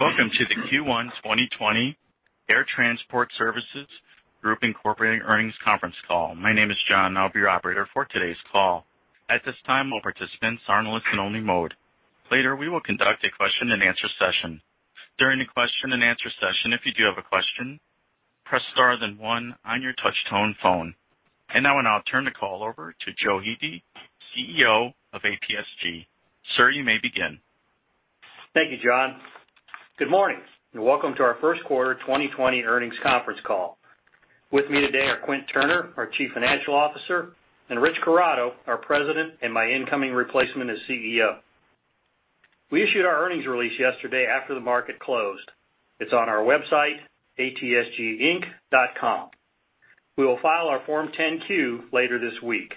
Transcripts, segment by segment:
Welcome to the Q1 2020 Air Transport Services Group Incorporated earnings conference call. My name is John, I'll be your operator for today's call. At this time, all participants are in listen-only mode. Later, we will conduct a question and answer session. During the question and answer session, if you do have a question, press star then one on your touch-tone phone. I'll turn the call over to Joe Hete, CEO of ATSG. Sir, you may begin. Thank you, John. Good morning, welcome to our first quarter 2020 earnings conference call. With me today are Quint Turner, our Chief Financial Officer, and Rich Corrado, our President and my incoming replacement as CEO. We issued our earnings release yesterday after the market closed. It's on our website, atsginc.com. We will file our Form 10-Q later this week.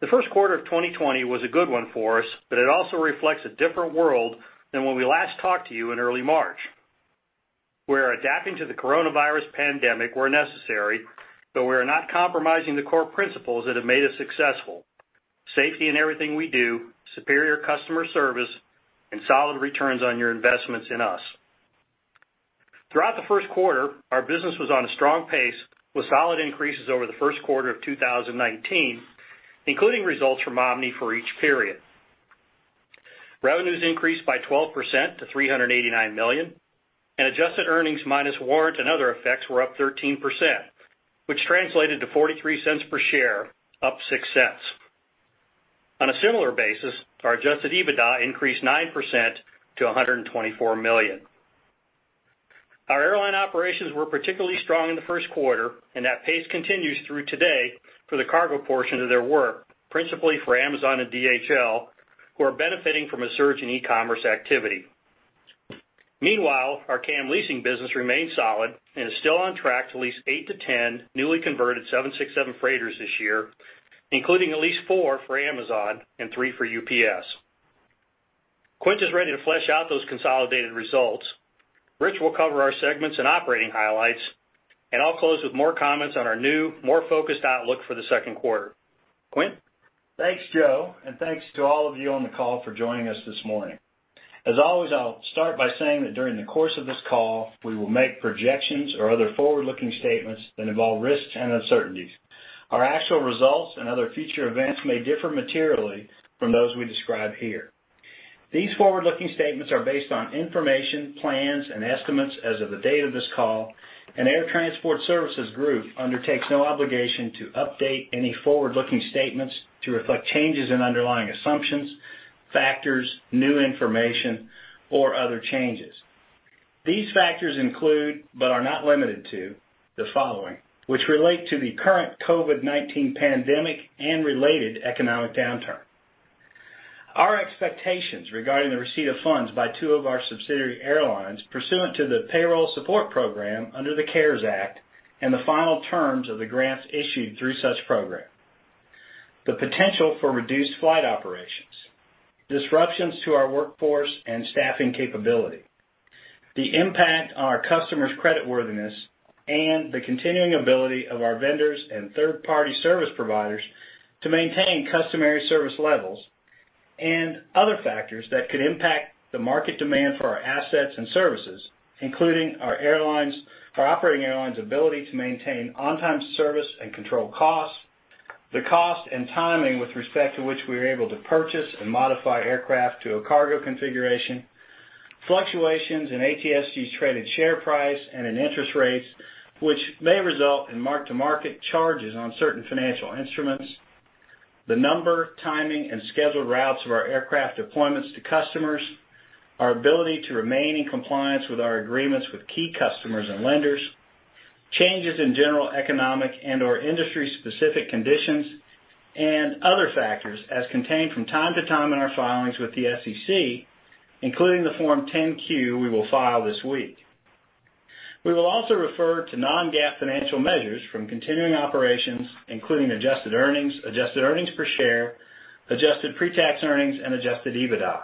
The first quarter of 2020 was a good one for us, it also reflects a different world than when we last talked to you in early March. We are adapting to the coronavirus pandemic where necessary, but we are not compromising the core principles that have made us successful. Safety in everything we do, superior customer service, and solid returns on your investments in us. Throughout the first quarter, our business was on a strong pace with solid increases over the first quarter of 2019, including results from Omni for each period. Revenues increased by 12% to $389 million, and adjusted earnings minus warrant and other effects were up 13%, which translated to $0.43 per share, up $0.06. On a similar basis, our adjusted EBITDA increased 9% to $124 million. Our airline operations were particularly strong in the first quarter, and that pace continues through today for the cargo portion of their work, principally for Amazon and DHL, who are benefiting from a surge in e-commerce activity. Meanwhile, our CAM leasing business remains solid and is still on track to lease eight to 10 newly converted 767 freighters this year, including at least four for Amazon and three for UPS. Quint is ready to flesh out those consolidated results. Rich will cover our segments and operating highlights, and I'll close with more comments on our new, more focused outlook for the second quarter. Quint? Thanks, Joe. Thanks to all of you on the call for joining us this morning. As always, I'll start by saying that during the course of this call, we will make projections or other forward-looking statements that involve risks and uncertainties. Our actual results and other future events may differ materially from those we describe here. These forward-looking statements are based on information, plans, and estimates as of the date of this call, and Air Transport Services Group undertakes no obligation to update any forward-looking statements to reflect changes in underlying assumptions, factors, new information, or other changes. These factors include, but are not limited to, the following, which relate to the current COVID-19 pandemic and related economic downturn. Our expectations regarding the receipt of funds by two of our subsidiary airlines pursuant to the Payroll Support Program under the CARES Act and the final terms of the grants issued through such program. The potential for reduced flight operations. Disruptions to our workforce and staffing capability. The impact on our customers' creditworthiness and the continuing ability of our vendors and third-party service providers to maintain customary service levels, and other factors that could impact the market demand for our assets and services, including our operating airlines' ability to maintain on-time service and control costs, the cost and timing with respect to which we are able to purchase and modify aircraft to a cargo configuration, fluctuations in ATSG's traded share price and in interest rates, which may result in mark-to-market charges on certain financial instruments, the number, timing, and scheduled routes of our aircraft deployments to customers, our ability to remain in compliance with our agreements with key customers and lenders, changes in general economic and/or industry-specific conditions, and other factors as contained from time to time in our filings with the SEC, including the Form 10-Q we will file this week. We will also refer to non-GAAP financial measures from continuing operations, including adjusted earnings, adjusted earnings per share, adjusted pre-tax earnings, and adjusted EBITDA.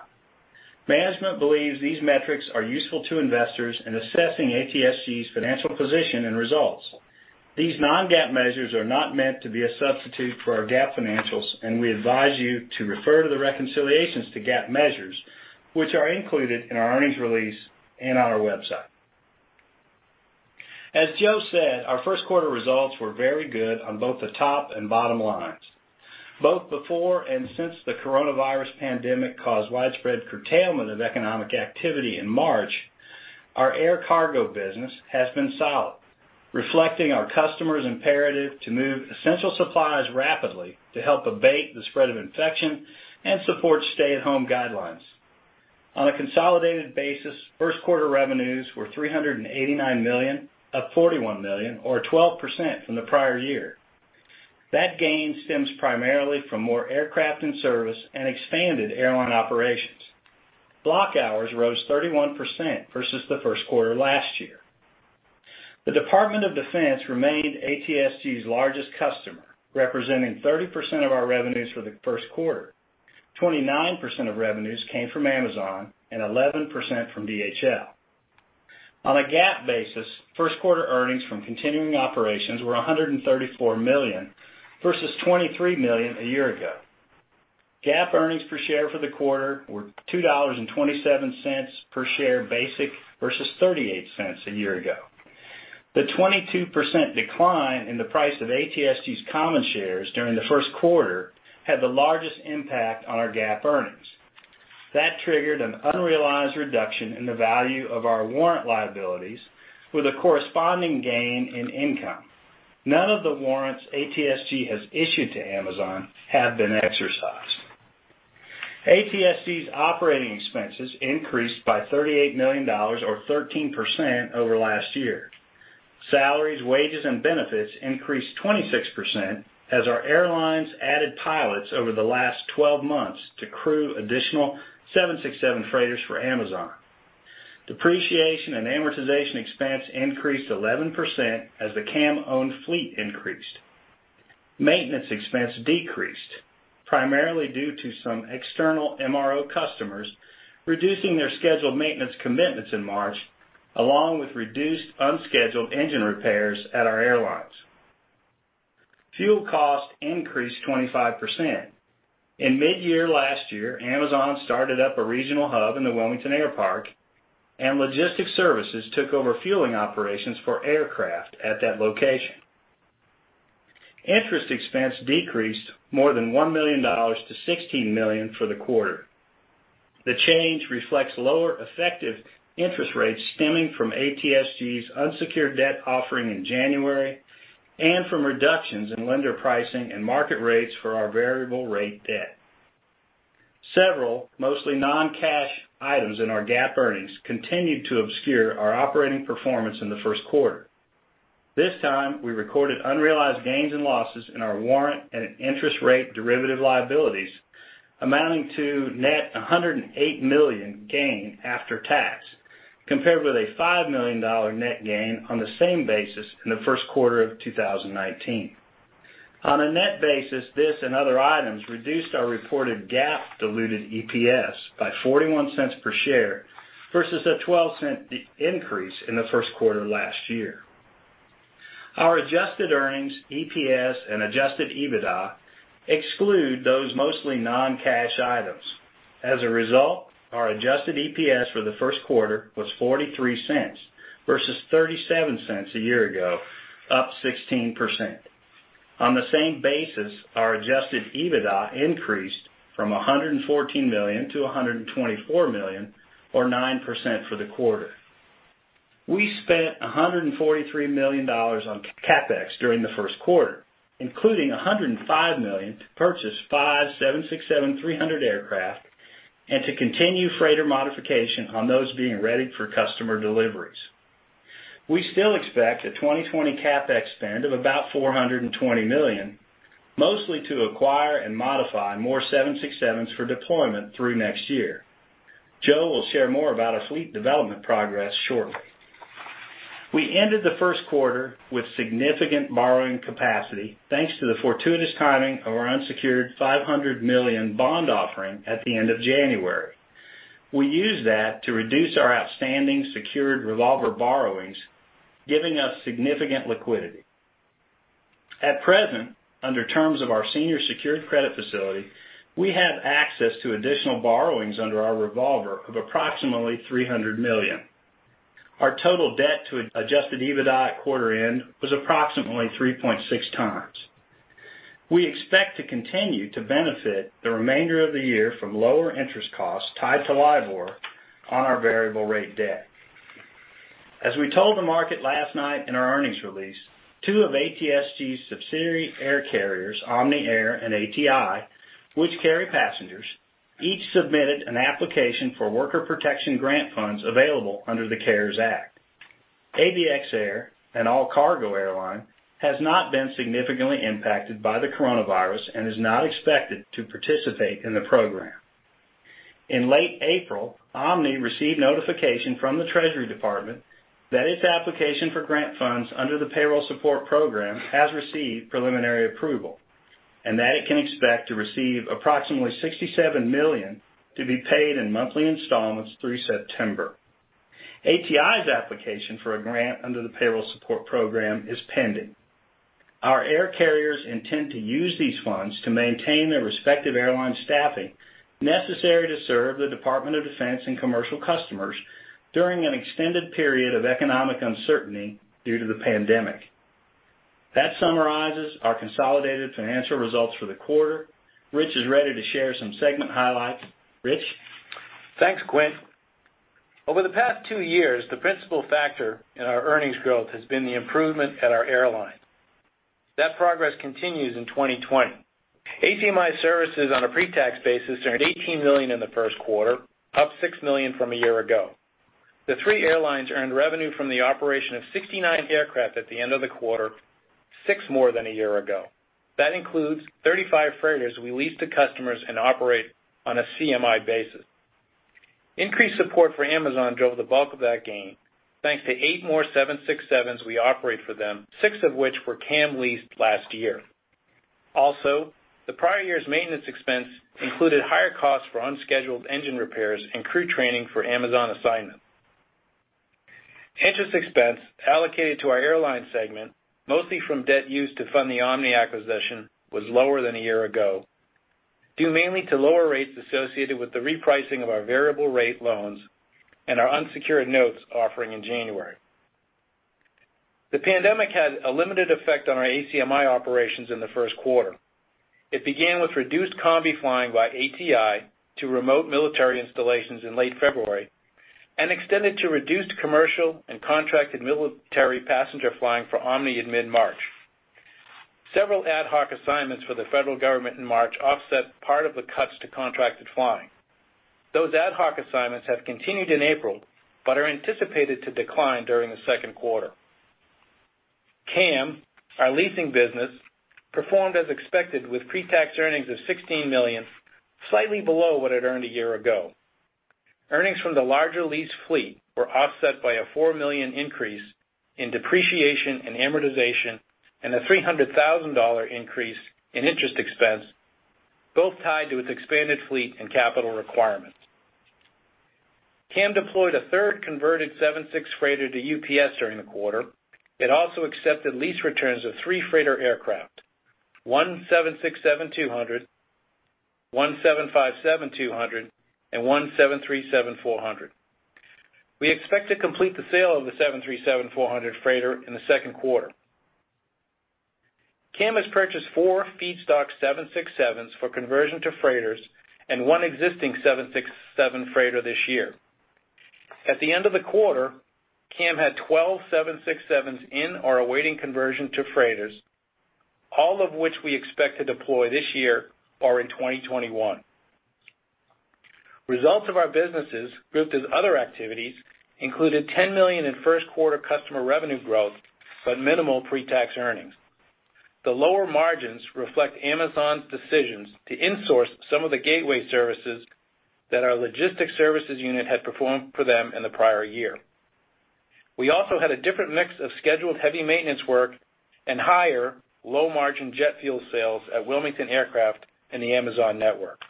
Management believes these metrics are useful to investors in assessing ATSG's financial position and results. These non-GAAP measures are not meant to be a substitute for our GAAP financials, and we advise you to refer to the reconciliations to GAAP measures, which are included in our earnings release and on our website. As Joe said, our first quarter results were very good on both the top and bottom lines. Both before and since the coronavirus pandemic caused widespread curtailment of economic activity in March, our air cargo business has been solid, reflecting our customers' imperative to move essential supplies rapidly to help abate the spread of infection and support stay-at-home guidelines. On a consolidated basis, first quarter revenues were $389 million, up $41 million or 12% from the prior year. That gain stems primarily from more aircraft in service and expanded airline operations. Block hours rose 31% versus the first quarter last year. The Department of Defense remained ATSG's largest customer, representing 30% of our revenues for the first quarter. 29% of revenues came from Amazon and 11% from DHL. On a GAAP basis, first quarter earnings from continuing operations were $134 million, versus $23 million a year ago. GAAP earnings per share for the quarter were $2.27 per share basic versus $0.38 a year ago. The 22% decline in the price of ATSG's common shares during the first quarter had the largest impact on our GAAP earnings. That triggered an unrealized reduction in the value of our warrant liabilities with a corresponding gain in income. None of the warrants ATSG has issued to Amazon have been exercised. ATSG's operating expenses increased by $38 million, or 13%, over last year. Salaries, wages, and benefits increased 26% as our airlines added pilots over the last 12 months to crew additional 767 freighters for Amazon. Depreciation and amortization expense increased 11% as the CAM-owned fleet increased. Maintenance expense decreased, primarily due to some external MRO customers reducing their scheduled maintenance commitments in March, along with reduced unscheduled engine repairs at our airlines. Fuel cost increased 25%. In mid-year last year, Amazon started up a regional hub in the Wilmington Air Park, and LGSTX Services took over fueling operations for aircraft at that location. Interest expense decreased more than $1 million to $16 million for the quarter. The change reflects lower effective interest rates stemming from ATSG's unsecured debt offering in January and from reductions in lender pricing and market rates for our variable rate debt. Several, mostly non-cash items in our GAAP earnings continued to obscure our operating performance in the first quarter. This time, we recorded unrealized gains and losses in our warrant and interest rate derivative liabilities amounting to net $108 million gain after tax, compared with a $5 million net gain on the same basis in the first quarter of 2019. On a net basis, this and other items reduced our reported GAAP diluted EPS by $0.41 per share versus a $0.12 increase in the first quarter last year. Our adjusted earnings, EPS, and adjusted EBITDA exclude those mostly non-cash items. As a result, our adjusted EPS for the first quarter was $0.43 versus $0.37 a year ago, up 16%. On the same basis, our adjusted EBITDA increased from $114 million to $124 million, or 9% for the quarter. We spent $143 million on CapEx during the first quarter, including $105 million to purchase five 767-300 aircraft and to continue freighter modification on those being readied for customer deliveries. We still expect a 2020 CapEx spend of about $420 million, mostly to acquire and modify more 767s for deployment through next year. Joe will share more about our fleet development progress shortly. We ended the first quarter with significant borrowing capacity, thanks to the fortuitous timing of our unsecured $500 million bond offering at the end of January. We used that to reduce our outstanding secured revolver borrowings, giving us significant liquidity. At present, under terms of our senior secured credit facility, we have access to additional borrowings under our revolver of approximately $300 million. Our total debt to adjusted EBITDA at quarter end was approximately 3.6x. We expect to continue to benefit the remainder of the year from lower interest costs tied to LIBOR on our variable rate debt. As we told the market last night in our earnings release, two of ATSG's subsidiary air carriers, Omni Air and ATI, which carry passengers, each submitted an application for worker protection grant funds available under the CARES Act. ABX Air, an all-cargo airline, has not been significantly impacted by the coronavirus and is not expected to participate in the program. In late April, Omni received notification from the Treasury Department that its application for grant funds under the Payroll Support Program has received preliminary approval, and that it can expect to receive approximately $67 million to be paid in monthly installments through September. ATI's application for a grant under the Payroll Support Program is pending. Our air carriers intend to use these funds to maintain their respective airline staffing necessary to serve the Department of Defense and commercial customers during an extended period of economic uncertainty due to the pandemic. That summarizes our consolidated financial results for the quarter. Rich is ready to share some segment highlights. Rich? Thanks, Quint. Over the past two years, the principal factor in our earnings growth has been the improvement at our airlines. That progress continues in 2020. ACMI Services on a pre-tax basis earned $18 million in the first quarter, up $6 million from a year ago. The three airlines earned revenue from the operation of 69 aircraft at the end of the quarter, six more than a year ago. That includes 35 freighters we leased to customers and operate on a CMI basis. Increased support for Amazon drove the bulk of that gain, thanks to eight more 767s we operate for them, six of which were CAM leased last year. The prior year's maintenance expense included higher costs for unscheduled engine repairs and crew training for Amazon assignment. Interest expense allocated to our airline segment, mostly from debt used to fund the Omni acquisition, was lower than a year ago, due mainly to lower rates associated with the repricing of our variable rate loans and our unsecured notes offering in January. The pandemic had a limited effect on our ACMI operations in the first quarter. It began with reduced combi flying by ATI to remote military installations in late February, and extended to reduced commercial and contracted military passenger flying for Omni in mid-March. Several ad hoc assignments for the federal government in March offset part of the cuts to contracted flying. Those ad hoc assignments have continued in April, but are anticipated to decline during the second quarter. CAM, our leasing business, performed as expected with pretax earnings of $16 million, slightly below what it earned a year ago. Earnings from the larger lease fleet were offset by a $4 million increase in depreciation and amortization, and a $300,000 increase in interest expense, both tied to its expanded fleet and capital requirements. CAM deployed a third converted 76 freighter to UPS during the quarter. It also accepted lease returns of three freighter aircraft, one 767-200, one 757-200, and one 737-400. We expect to complete the sale of the 737-400 freighter in the second quarter. CAM has purchased four feedstock 767s for conversion to freighters and one existing 767 freighter this year. At the end of the quarter, CAM had 12, 767s in or awaiting conversion to freighters, all of which we expect to deploy this year or in 2021. Results of our businesses grouped as other activities included $10 million in first quarter customer revenue growth, but minimal pretax earnings. The lower margins reflect Amazon's decisions to insource some of the gateway services that our LGSTX Services unit had performed for them in the prior year. We also had a different mix of scheduled heavy maintenance work and higher low-margin jet fuel sales at Wilmington aircraft in the Amazon network.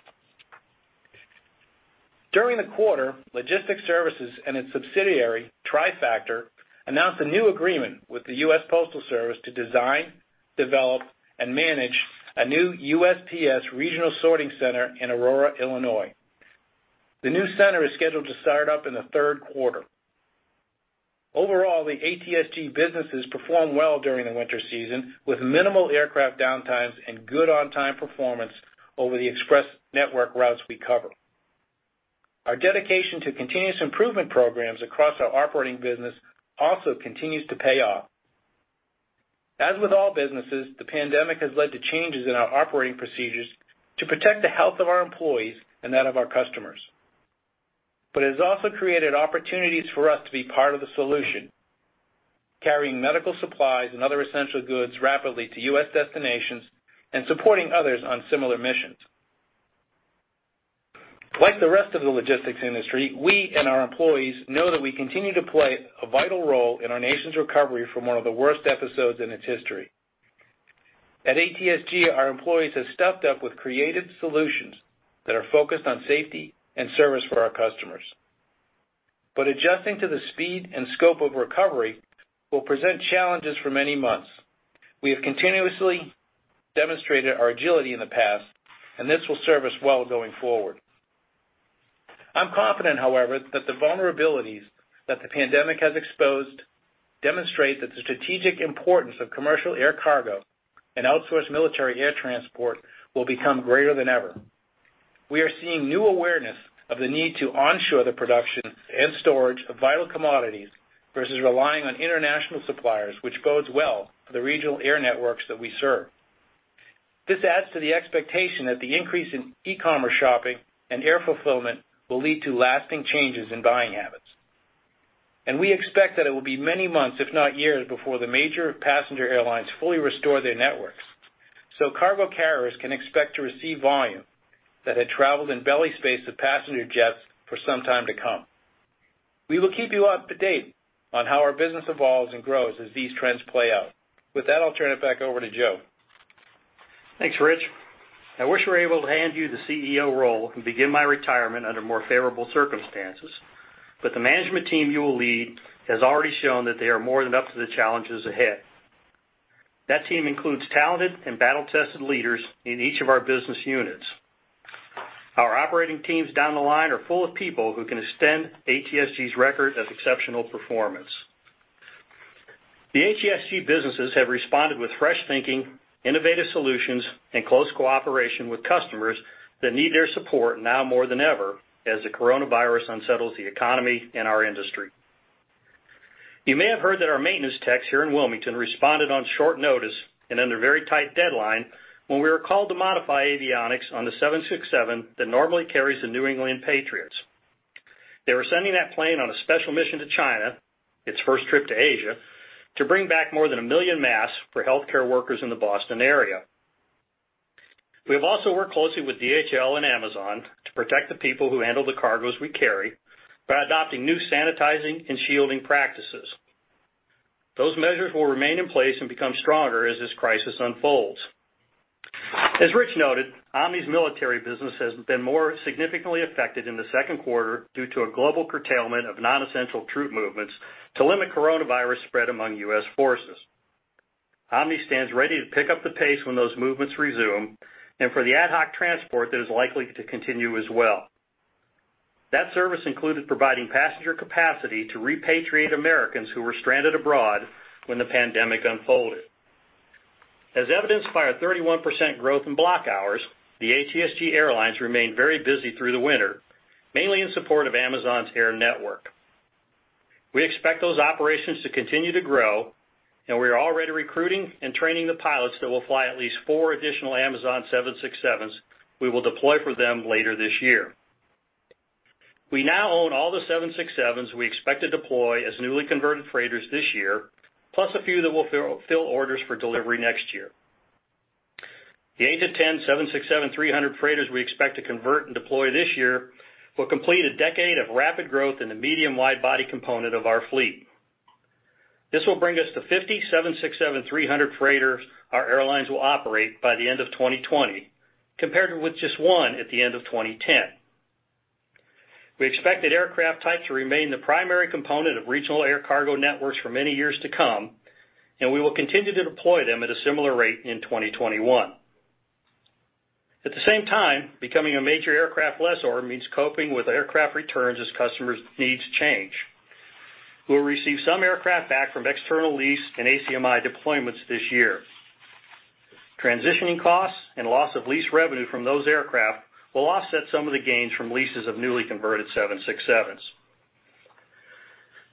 During the quarter, LGSTX Services and its subsidiary, TriFactor, announced a new agreement with the US Postal Service to design, develop, and manage a new USPS regional sorting center in Aurora, Illinois. The new center is scheduled to start up in the third quarter. Overall, the ATSG businesses performed well during the winter season, with minimal aircraft downtimes and good on-time performance over the express network routes we cover. Our dedication to continuous improvement programs across our operating business also continues to pay off. As with all businesses, the pandemic has led to changes in our operating procedures to protect the health of our employees and that of our customers. It has also created opportunities for us to be part of the solution, carrying medical supplies and other essential goods rapidly to U.S. destinations and supporting others on similar missions. Like the rest of the logistics industry, we and our employees know that we continue to play a vital role in our nation's recovery from one of the worst episodes in its history. At ATSG, our employees have stepped up with creative solutions that are focused on safety and service for our customers. Adjusting to the speed and scope of recovery will present challenges for many months. We have continuously demonstrated our agility in the past, and this will serve us well going forward. I'm confident, however, that the vulnerabilities that the pandemic has exposed demonstrate that the strategic importance of commercial air cargo and outsourced military air transport will become greater than ever. We are seeing new awareness of the need to onshore the production and storage of vital commodities, versus relying on international suppliers, which bodes well for the regional air networks that we serve. This adds to the expectation that the increase in e-commerce shopping and air fulfillment will lead to lasting changes in buying habits. We expect that it will be many months, if not years, before the major passenger airlines fully restore their networks. Cargo carriers can expect to receive volume that had traveled in belly space of passenger jets for some time to come. We will keep you up to date on how our business evolves and grows as these trends play out. With that, I'll turn it back over to Joe. Thanks, Rich. I wish I were able to hand you the CEO role and begin my retirement under more favorable circumstances. The management team you will lead has already shown that they are more than up to the challenges ahead. That team includes talented and battle-tested leaders in each of our business units. Our operating teams down the line are full of people who can extend ATSG's record of exceptional performance. The ATSG businesses have responded with fresh thinking, innovative solutions, and close cooperation with customers that need their support now more than ever, as the coronavirus unsettles the economy and our industry. You may have heard that our maintenance techs here in Wilmington responded on short notice and under very tight deadline when we were called to modify avionics on the 767 that normally carries the New England Patriots. They were sending that plane on a special mission to China, its first trip to Asia, to bring back more than a million masks for healthcare workers in the Boston area. We have also worked closely with DHL and Amazon to protect the people who handle the cargoes we carry by adopting new sanitizing and shielding practices. Those measures will remain in place and become stronger as this crisis unfolds. As Rich noted, Omni's military business has been more significantly affected in the second quarter due to a global curtailment of non-essential troop movements to limit coronavirus spread among U.S. forces. Omni stands ready to pick up the pace when those movements resume, and for the ad hoc transport that is likely to continue as well. That service included providing passenger capacity to repatriate Americans who were stranded abroad when the pandemic unfolded. As evidenced by our 31% growth in block hours, the ATSG airlines remained very busy through the winter, mainly in support of Amazon's air network. We expect those operations to continue to grow, and we are already recruiting and training the pilots that will fly at least four additional Amazon 767s we will deploy for them later this year. We now own all the 767s we expect to deploy as newly converted freighters this year, plus a few that will fill orders for delivery next year. The eight to 10, 767-300 freighters we expect to convert and deploy this year will complete a decade of rapid growth in the medium-wide body component of our fleet. This will bring us to 50, 767-300 freighters our airlines will operate by the end of 2020, compared with just one at the end of 2010. We expect that aircraft type to remain the primary component of regional air cargo networks for many years to come, and we will continue to deploy them at a similar rate in 2021. At the same time, becoming a major aircraft lessor means coping with aircraft returns as customers' needs change. We'll receive some aircraft back from external lease and ACMI deployments this year. Transitioning costs and loss of lease revenue from those aircraft will offset some of the gains from leases of newly converted 767s.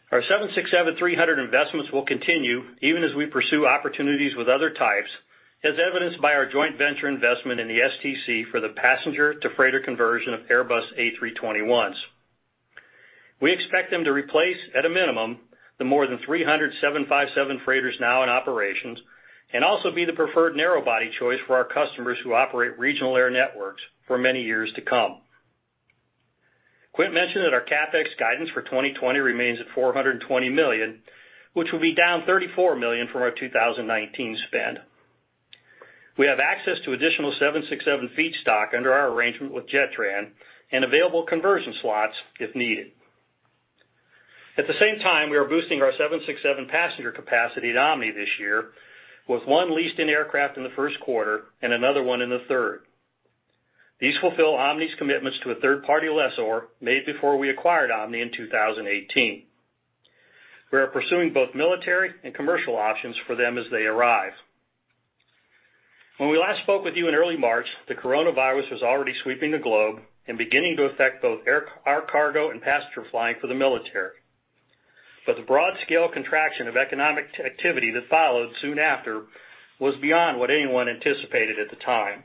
Our 767-300 investments will continue even as we pursue opportunities with other types, as evidenced by our joint venture investment in the STC for the passenger to freighter conversion of Airbus A321s. We expect them to replace, at a minimum, the more than 300, 757 freighters now in operations, and also be the preferred narrow body choice for our customers who operate regional air networks for many years to come. Quint mentioned that our CapEx guidance for 2020 remains at $420 million, which will be down $34 million from our 2019 spend. We have access to additional 767 feedstock under our arrangement with Jetran and available conversion slots if needed. At the same time, we are boosting our 767 passenger capacity at Omni this year, with one leased-in aircraft in the first quarter and another one in the third. These fulfill Omni's commitments to a third-party lessor made before we acquired Omni in 2018. We are pursuing both military and commercial options for them as they arrive. When we last spoke with you in early March, the coronavirus was already sweeping the globe and beginning to affect both our cargo and passenger flying for the military. The broad scale contraction of economic activity that followed soon after was beyond what anyone anticipated at the time.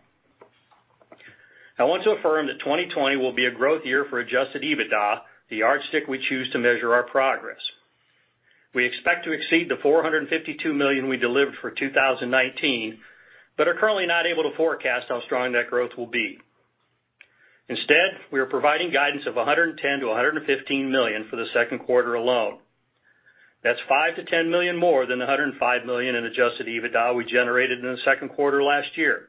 I want to affirm that 2020 will be a growth year for adjusted EBITDA, the yardstick we choose to measure our progress. We expect to exceed the $452 million we delivered for 2019, but are currently not able to forecast how strong that growth will be. Instead, we are providing guidance of $110 million-$115 million for the second quarter alone. That's $5 million-$10 million more than the $105 million in adjusted EBITDA we generated in the second quarter last year.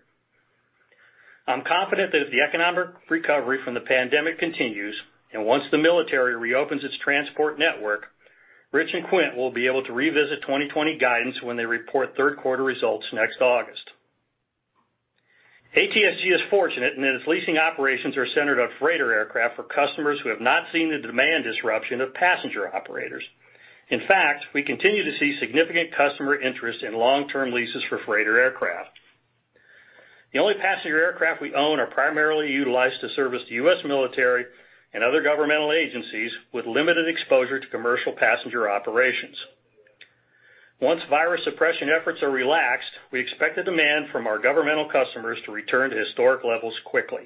I'm confident that as the economic recovery from the pandemic continues, and once the military reopens its transport network, Rich and Quint will be able to revisit 2020 guidance when they report third quarter results next August. ATSG is fortunate in that its leasing operations are centered on freighter aircraft for customers who have not seen the demand disruption of passenger operators. In fact, we continue to see significant customer interest in long-term leases for freighter aircraft. The only passenger aircraft we own are primarily utilized to service the U.S. military and other governmental agencies with limited exposure to commercial passenger operations. Once virus suppression efforts are relaxed, we expect the demand from our governmental customers to return to historic levels quickly.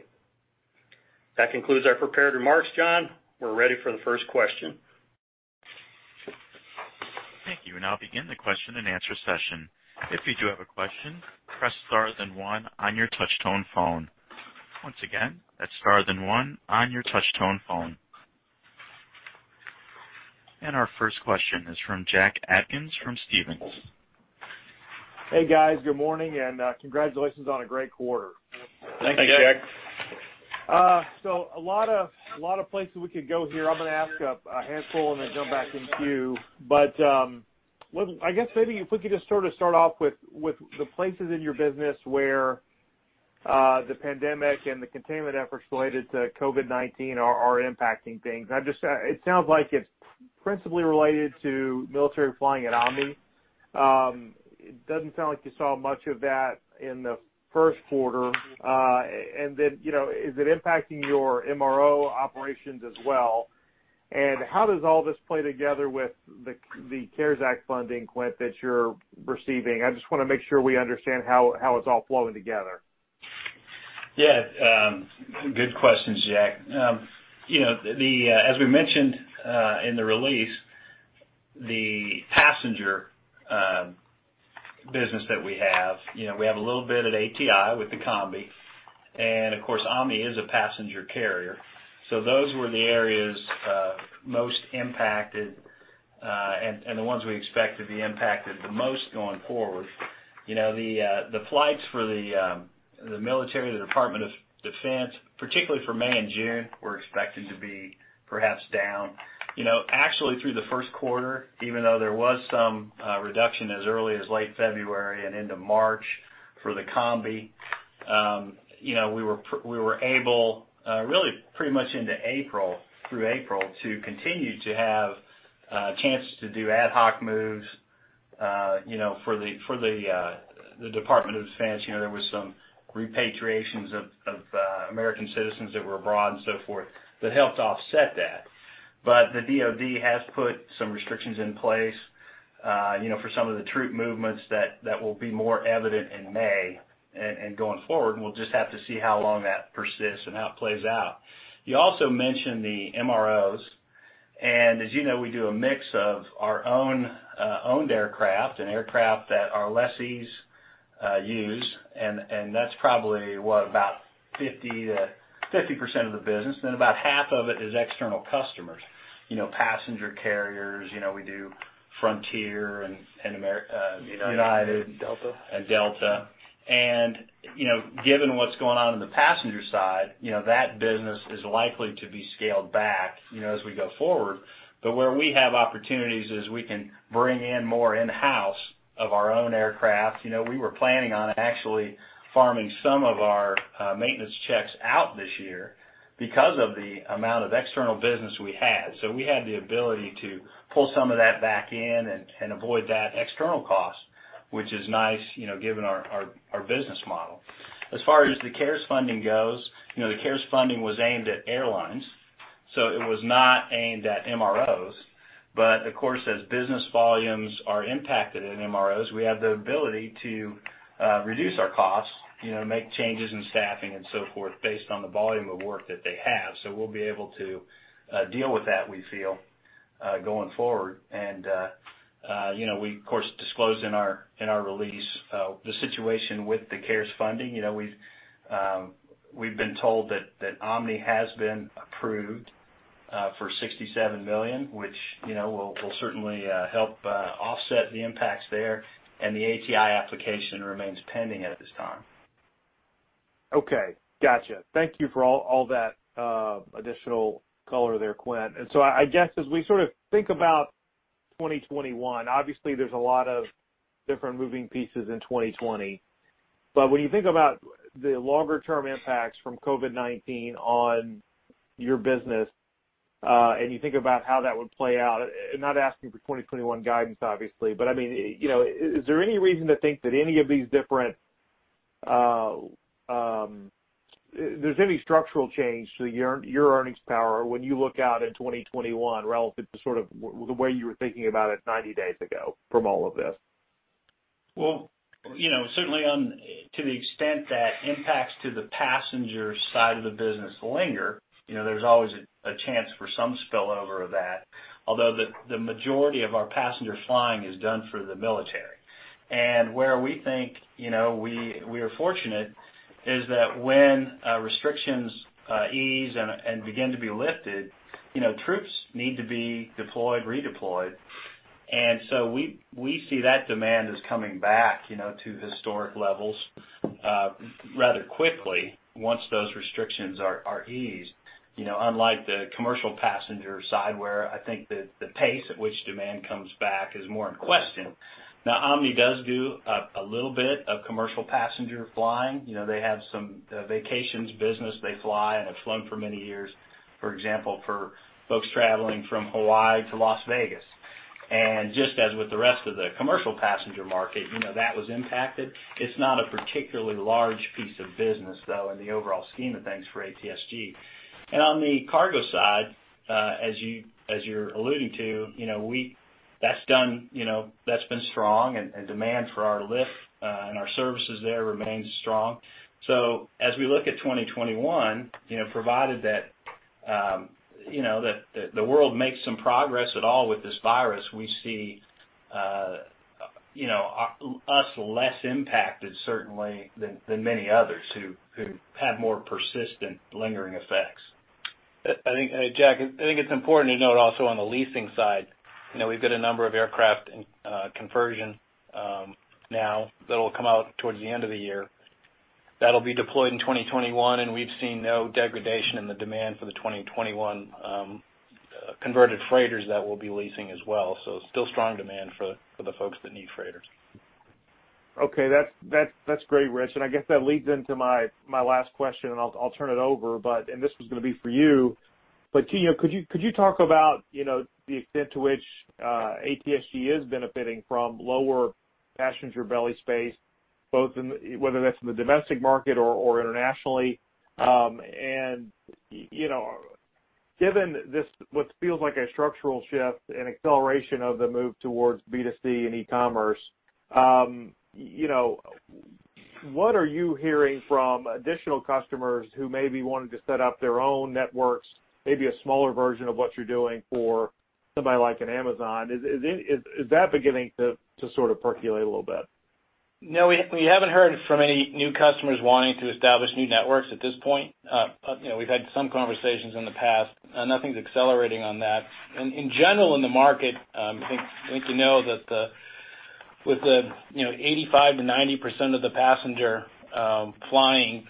That concludes our prepared remarks, John. We're ready for the first question. Thank you. We now begin the question and answer session. If you do have a question, press star then one on your touch tone phone. Once again, press star then one on your touch tone phone. Our first question is from Jack Atkins from Stephens. Hey, guys. Good morning. Congratulations on a great quarter. Thank you. Jack. A lot of places we could go here. I'm gonna ask a handful and then jump back in queue. I guess maybe if we could just sort off with the places in your business where the pandemic and the containment efforts related to COVID-19 are impacting things. It sounds like it's principally related to military flying at Omni. It doesn't sound like you saw much of that in the first quarter. Is it impacting your MRO operations as well? How does all this play together with the CARES Act funding, Quint, that you're receiving? I just wanna make sure we understand how it's all flowing together. Yeah. Good questions, Jack. As we mentioned, in the release, the passenger business that we have. We have a little bit at ATI with the combi, and of course, Omni is a passenger carrier. Those were the areas most impacted, and the ones we expect to be impacted the most going forward. The flights for the military, the Department of Defense, particularly for May and June, were expected to be perhaps down. Actually, through the first quarter, even though there was some reduction as early as late February and into March for the combi, we were able, really pretty much through April, to continue to have chances to do ad hoc moves for the Department of Defense. There was some repatriations of American citizens that were abroad and so forth that helped offset that. The DOD has put some restrictions in place for some of the troop movements that will be more evident in May and going forward, and we'll just have to see how long that persists and how it plays out. You also mentioned the MROs, and as you know, we do a mix of our own-owned aircraft and aircraft that our lessees use, and that's probably, what? About 50% of the business, then about half of it is external customers. Passenger carriers, we do Frontier and- United. Delta. Delta. Given what's going on in the passenger side, that business is likely to be scaled back as we go forward. Where we have opportunities is we can bring in more in-house of our own aircraft. We were planning on actually farming some of our maintenance checks out this year because of the amount of external business we had. We had the ability to pull some of that back in and avoid that external cost, which is nice, given our business model. As far as the CARES funding goes, the CARES funding was aimed at airlines, so it was not aimed at MROs. Of course, as business volumes are impacted in MROs, we have the ability to reduce our costs, make changes in staffing and so forth based on the volume of work that they have. We'll be able to deal with that, we feel, going forward. We, of course, disclosed in our release the situation with the CARES funding. We've been told that Omni has been approved for $67 million, which will certainly help offset the impacts there. The ATI application remains pending at this time. Okay. Gotcha. Thank you for all that additional color there, Quint. I guess as we sort of think about 2021, obviously there's a lot of different moving pieces in 2020. When you think about the longer-term impacts from COVID-19 on your business, and you think about how that would play out, not asking for 2021 guidance, obviously, but is there any reason to think that there's any structural change to your earnings power when you look out in 2021 relative to sort of the way you were thinking about it 90 days ago from all of this? Certainly to the extent that impacts to the passenger side of the business linger, there's always a chance for some spillover of that. Although, the majority of our passenger flying is done for the military. Where we think we are fortunate is that when restrictions ease and begin to be lifted, troops need to be deployed, redeployed. We see that demand is coming back to historic levels rather quickly once those restrictions are eased. Unlike the commercial passenger side, where I think that the pace at which demand comes back is more in question. Now, Omni does do a little bit of commercial passenger flying. They have some vacations business they fly and have flown for many years. For example, for folks traveling from Hawaii to Las Vegas. Just as with the rest of the commercial passenger market, that was impacted. It's not a particularly large piece of business, though, in the overall scheme of things for ATSG. On the cargo side, as you're alluding to, that's been strong and demand for our lift and our services there remains strong. As we look at 2021, provided that the world makes some progress at all with this virus, we see us less impacted certainly than many others who have more persistent lingering effects. Jack, I think it's important to note also on the leasing side, we've got a number of aircraft in conversion now that'll come out towards the end of the year. That'll be deployed in 2021, and we've seen no degradation in the demand for the 2021 converted freighters that we'll be leasing as well. Still strong demand for the folks that need freighters. Okay. That's great, Rich. I guess that leads into my last question. I'll turn it over. This was going to be for you. Can you talk about the extent to which ATSG is benefiting from lower passenger belly space, whether that's in the domestic market or internationally? Given this, what feels like a structural shift and acceleration of the move towards B2C and e-commerce? What are you hearing from additional customers who maybe wanted to set up their own networks, maybe a smaller version of what you're doing for somebody like an Amazon? Is that beginning to sort of percolate a little bit? No, we haven't heard from any new customers wanting to establish new networks at this point. We've had some conversations in the past. Nothing's accelerating on that. In general, in the market, I think you know that with 85%-90% of the passenger flying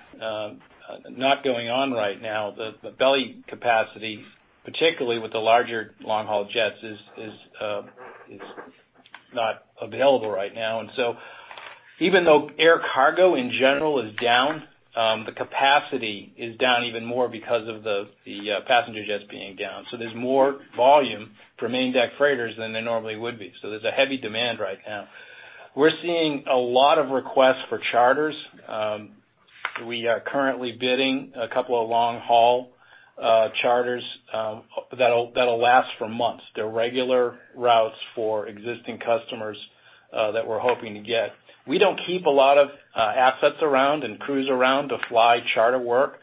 not going on right now, the belly capacity, particularly with the larger long-haul jets, is not available right now. Even though air cargo in general is down, the capacity is down even more because of the passenger jets being down. There's more volume for main deck freighters than there normally would be. There's a heavy demand right now. We're seeing a lot of requests for charters. We are currently bidding a couple of long-haul charters that'll last for months. They're regular routes for existing customers that we're hoping to get. We don't keep a lot of assets around and crews around to fly charter work.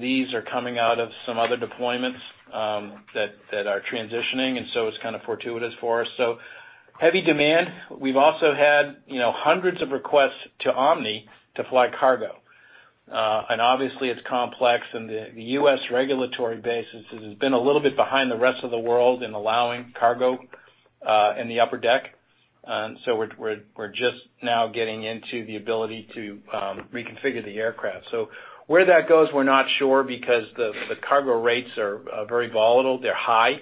These are coming out of some other deployments that are transitioning, it's kind of fortuitous for us. Heavy demand. We've also had hundreds of requests to Omni to fly cargo. Obviously, it's complex, and the U.S. regulatory base has been a little bit behind the rest of the world in allowing cargo in the upper deck. We're just now getting into the ability to reconfigure the aircraft. Where that goes, we're not sure because the cargo rates are very volatile. They're high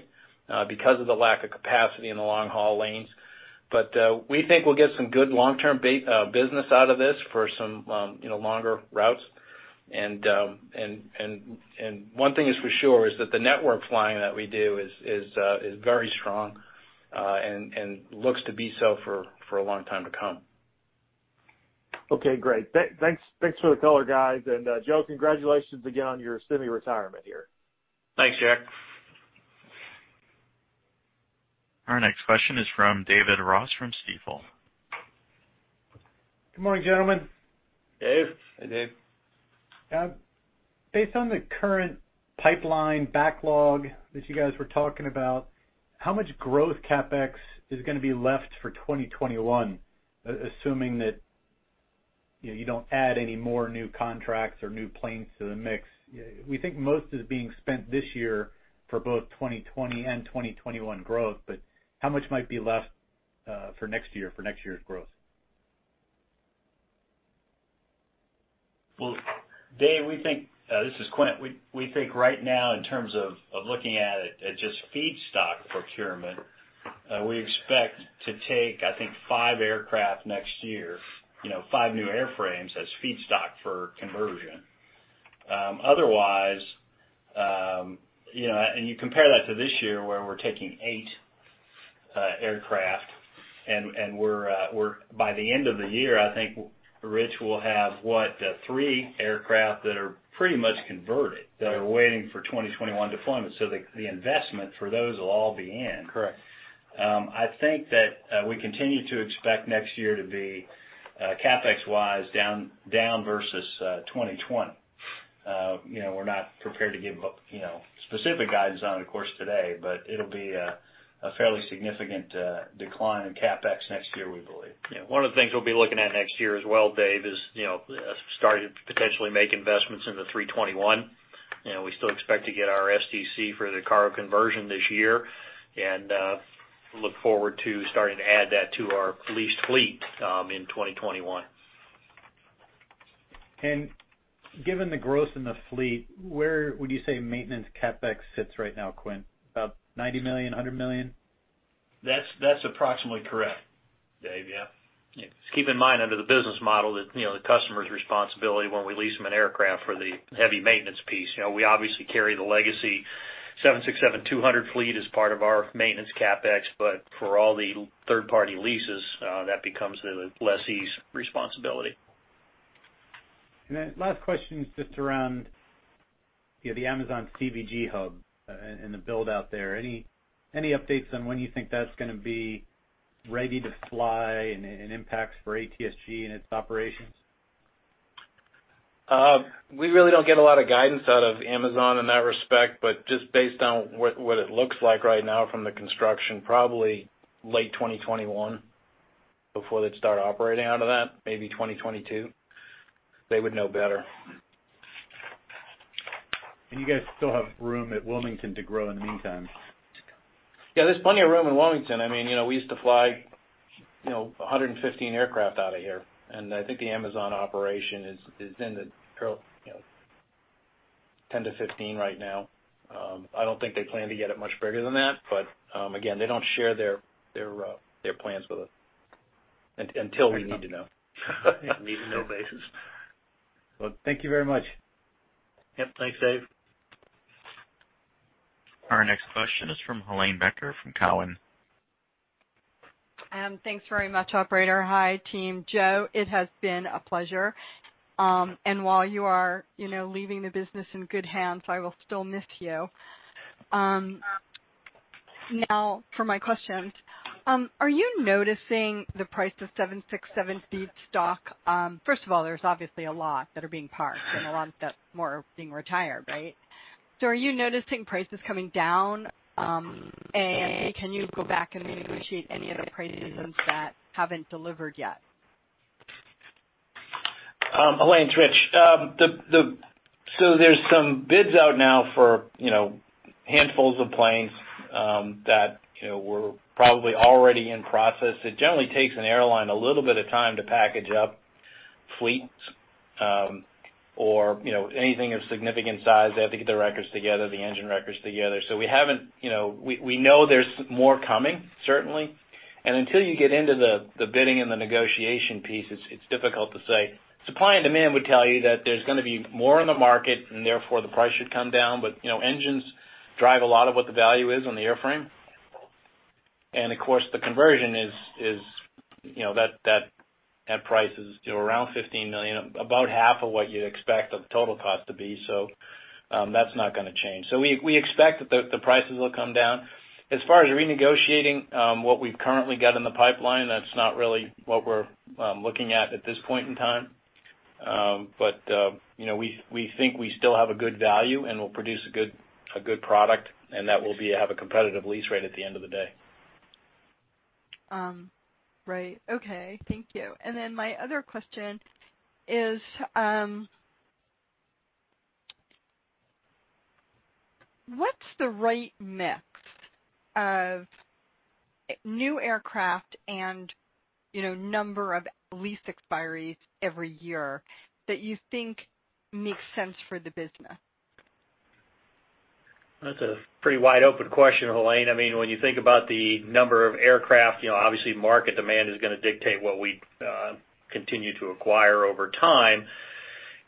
because of the lack of capacity in the long-haul lanes. We think we'll get some good long-term business out of this for some longer routes. One thing is for sure is that the network flying that we do is very strong and looks to be so for a long time to come. Okay, great. Thanks for the color, guys. Joe, congratulations again on your semi-retirement here. Thanks, Jack. Our next question is from David Ross from Stifel. Good morning, gentlemen. Dave. Hey, Dave. Based on the current pipeline backlog that you guys were talking about, how much growth CapEx is going to be left for 2021, assuming that you don't add any more new contracts or new planes to the mix? We think most is being spent this year for both 2020 and 2021 growth. How much might be left for next year's growth? Well, Dave, this is Quint. We think right now, in terms of looking at it at just feedstock procurement, we expect to take, I think, five aircraft next year, five new airframes as feedstock for conversion. Otherwise, you compare that to this year, where we're taking eight aircraft, and by the end of the year, I think Rich will have, what, three aircraft that are pretty much converted that are waiting for 2021 deployment. The investment for those will all be in. Correct. I think that we continue to expect next year to be CapEx-wise down versus 2020. We're not prepared to give specific guidance on it, of course, today, but it'll be a fairly significant decline in CapEx next year, we believe. Yeah. One of the things we'll be looking at next year as well, Dave, is starting to potentially make investments in the 321. We still expect to get our STC for the cargo conversion this year and look forward to starting to add that to our leased fleet in 2021. Given the growth in the fleet, where would you say maintenance CapEx sits right now, Quint? About $90 million, $100 million? That's approximately correct, Dave. Yeah. Keep in mind, under the business model that the customer's responsibility when we lease them an aircraft for the heavy maintenance piece. We obviously carry the legacy 767-200 fleet as part of our maintenance CapEx, but for all the third-party leases, that becomes the lessee's responsibility. Last question is just around the Amazon CVG hub and the build-out there. Any updates on when you think that's going to be ready to fly and impacts for ATSG and its operations? We really don't get a lot of guidance out of Amazon in that respect, but just based on what it looks like right now from the construction, probably late 2021 before they'd start operating out of that, maybe 2022. They would know better. You guys still have room at Wilmington to grow in the meantime. Yeah, there's plenty of room in Wilmington. We used to fly 115 aircraft out of here, and I think the Amazon operation is in the 10%-15% right now. I don't think they plan to get it much bigger than that, but again, they don't share their plans with us until we need to know. Need-to-know basis. Well, thank you very much. Yep. Thanks, Dave. Our next question is from Helane Becker from Cowen. Thanks very much, operator. Hi, team. Joe, it has been a pleasure. While you are leaving the business in good hands, I will still miss you. Now for my questions. Are you noticing the price of 767 feedstock? First of all, there's obviously a lot that are being parked and a lot that more are being retired. Right? Are you noticing prices coming down? Can you go back and renegotiate any of the prices that haven't delivered yet? Helane, it's Rich. There's some bids out now for handfuls of planes that were probably already in process. It generally takes an airline a little bit of time to package up fleets, or anything of significant size. They have to get the records together, the engine records together. We know there's more coming, certainly. Until you get into the bidding and the negotiation piece, it's difficult to say. Supply and demand would tell you that there's going to be more in the market and therefore the price should come down. Engines drive a lot of what the value is on the airframe. Of course, the conversion is, that price is around $15 million, about half of what you'd expect the total cost to be. That's not going to change. We expect that the prices will come down. As far as renegotiating what we've currently got in the pipeline, that's not really what we're looking at at this point in time. We think we still have a good value and we'll produce a good product, and that will have a competitive lease rate at the end of the day. Right. Okay. Thank you. My other question is, what's the right mix of new aircraft and number of lease expiries every year that you think makes sense for the business? That's a pretty wide-open question, Helane. When you think about the number of aircraft, obviously market demand is going to dictate what we continue to acquire over time.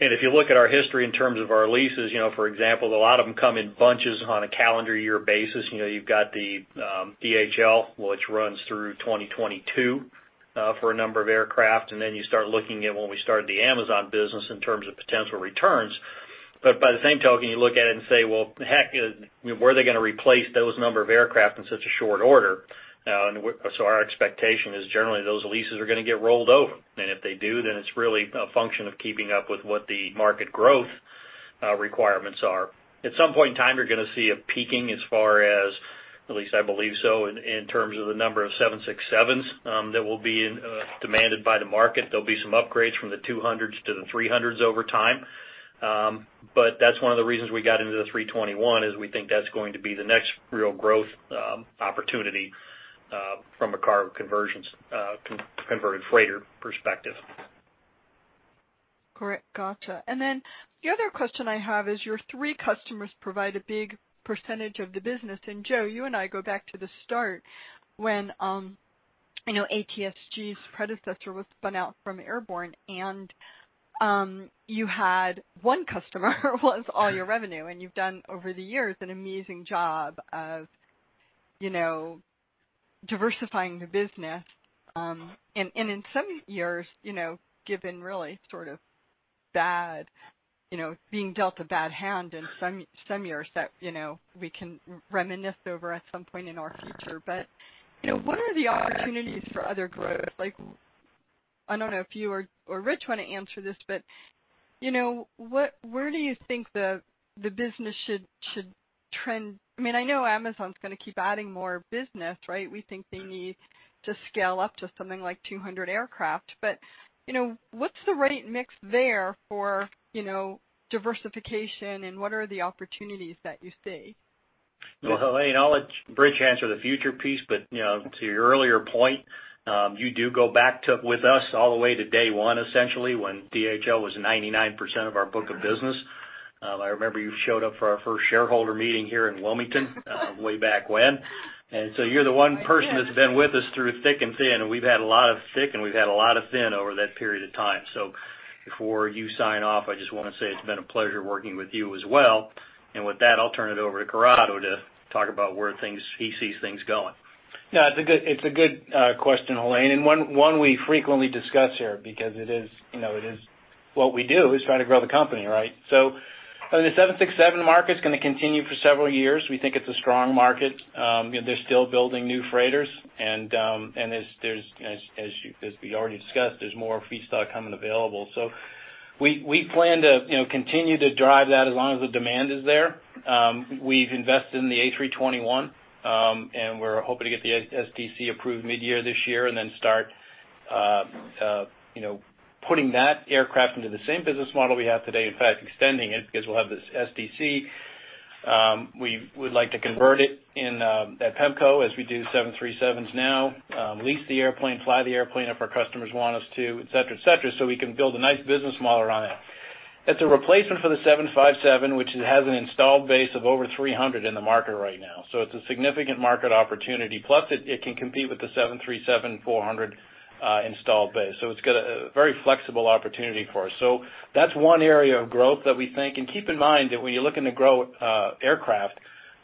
If you look at our history in terms of our leases, for example, a lot of them come in bunches on a calendar year basis. You've got the DHL, which runs through 2022, for a number of aircraft, and then you start looking at when we started the Amazon business in terms of potential returns. By the same token, you look at it and say, "Well, heck, where are they going to replace those number of aircraft in such a short order?" Our expectation is generally those leases are going to get rolled over. If they do, it's really a function of keeping up with what the market growth requirements are. At some point in time, you're going to see a peaking as far as, at least I believe so, in terms of the number of 767s that will be demanded by the market. There'll be some upgrades from the 200s to the 300s over time. That's one of the reasons we got into the 321, is we think that's going to be the next real growth opportunity from a cargo conversions, converted freighter perspective. Correct. Gotcha. Then the other question I have is your three customers provide a big percentage of the business. Joe, you and I go back to the start when ATSG's predecessor was spun out from Airborne and you had one customer was all your revenue. You've done over the years an amazing job of diversifying the business. In some years, given really sort of being dealt a bad hand in some years that we can reminisce over at some point in our future. What are the opportunities for other growth? I don't know if you or Rich want to answer this, where do you think the business should trend? I know Amazon's going to keep adding more business, right? We think they need to scale up to something like 200 aircraft. What's the right mix there for diversification, and what are the opportunities that you see? Well, Helane, I'll let Rich answer the future piece, to your earlier point, you do go back to with us all the way to day one, essentially, when DHL was 99% of our book of business. I remember you showed up for our first shareholder meeting here in Wilmington way back when. You're the one person that's been with us through thick and thin, we've had a lot of thick, and we've had a lot of thin over that period of time. Before you sign off, I just want to say it's been a pleasure working with you as well. With that, I'll turn it over to Corrado to talk about where he sees things going. Yeah, it's a good question, Helane. One we frequently discuss here because what we do is try to grow the company, right? The 767 market's going to continue for several years. We think it's a strong market. They're still building new freighters and as we already discussed, there's more feedstock coming available. We plan to continue to drive that as long as the demand is there. We've invested in the A321, and we're hoping to get the STC approved mid-year this year and then start putting that aircraft into the same business model we have today. In fact, extending it because we'll have the STC. We would like to convert it at PEMCO as we do 737s now, lease the airplane, fly the airplane if our customers want us to, et cetera. We can build a nice business model around that. It's a replacement for the 757, which has an installed base of over 300 in the market right now. It's a significant market opportunity. Plus, it can compete with the 737-400 installed base. It's got a very flexible opportunity for us. That's one area of growth that we think, keep in mind that when you're looking to grow aircraft,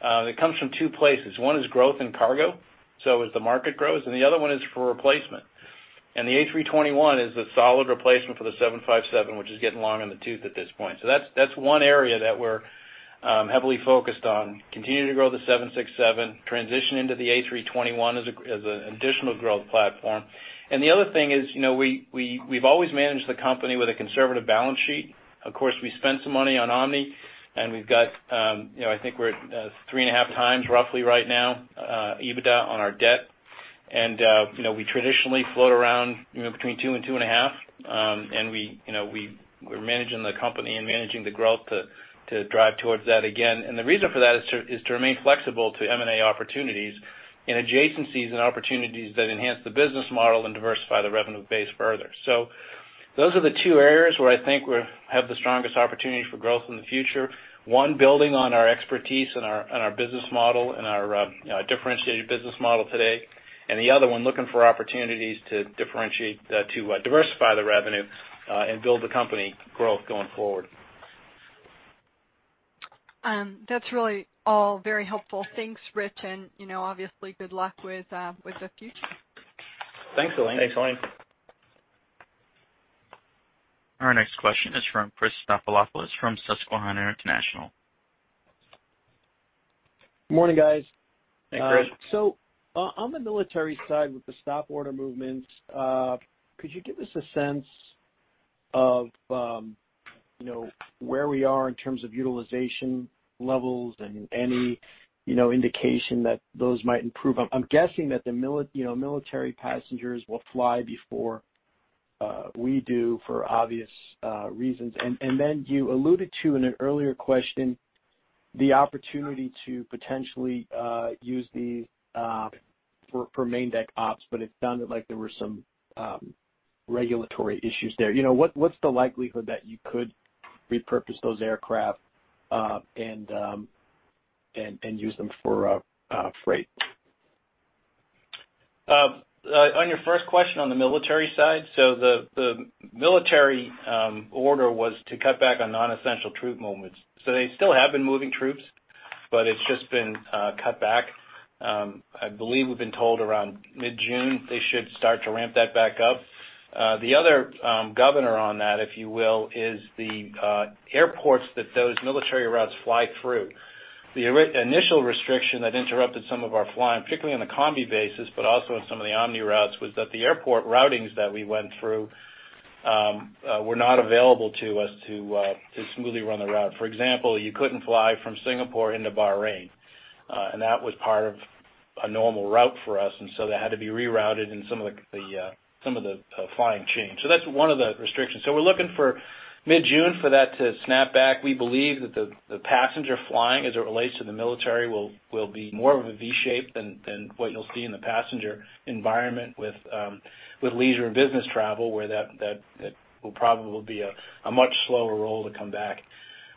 it comes from two places. One is growth in cargo, so as the market grows, the other one is for replacement. The A321 is a solid replacement for the 757, which is getting long in the tooth at this point. That's one area that we're heavily focused on, continuing to grow the 767, transition into the A321 as an additional growth platform. The other thing is, we've always managed the company with a conservative balance sheet. Of course, we spent some money on Omni. I think we're at 3.5x roughly right now, EBITDA on our debt. We traditionally float around between 2x and 2.5x. We're managing the company and managing the growth to drive towards that again. The reason for that is to remain flexible to M&A opportunities and adjacencies and opportunities that enhance the business model and diversify the revenue base further. Those are the two areas where I think we have the strongest opportunity for growth in the future. One, building on our expertise and our business model and our differentiated business model today, and the other one, looking for opportunities to diversify the revenue, and build the company growth going forward. That's really all very helpful. Thanks, Rich, and obviously good luck with the future. Thanks, Helane. Thanks, Helane. Our next question is from Chris Stathoulopoulos from Susquehanna International. Morning, guys. Hey, Chris. On the military side with the stop order movements, could you give us a sense of where we are in terms of utilization levels and any indication that those might improve? I'm guessing that the military passengers will fly before we do for obvious reasons. Then you alluded to in an earlier question, the opportunity to potentially use these for main deck ops, but it sounded like there were some regulatory issues there. What's the likelihood that you could repurpose those aircraft and use them for freight? On your first question on the military side, the military order was to cut back on non-essential troop movements. They still have been moving troops, but it's just been cut back. I believe we've been told around mid-June, they should start to ramp that back up. The other governor on that, if you will, is the airports that those military routes fly through. The initial restriction that interrupted some of our flying, particularly on the combi basis, but also on some of the Omni routes, was that the airport routings that we went through were not available to us to smoothly run the route. For example, you couldn't fly from Singapore into Bahrain. That was part of a normal route for us, and so that had to be rerouted and some of the flying changed. That's one of the restrictions. We're looking for mid-June for that to snap back. We believe that the passenger flying as it relates to the military will be more of a V shape than what you'll see in the passenger environment with leisure and business travel, where that will probably be a much slower roll to come back.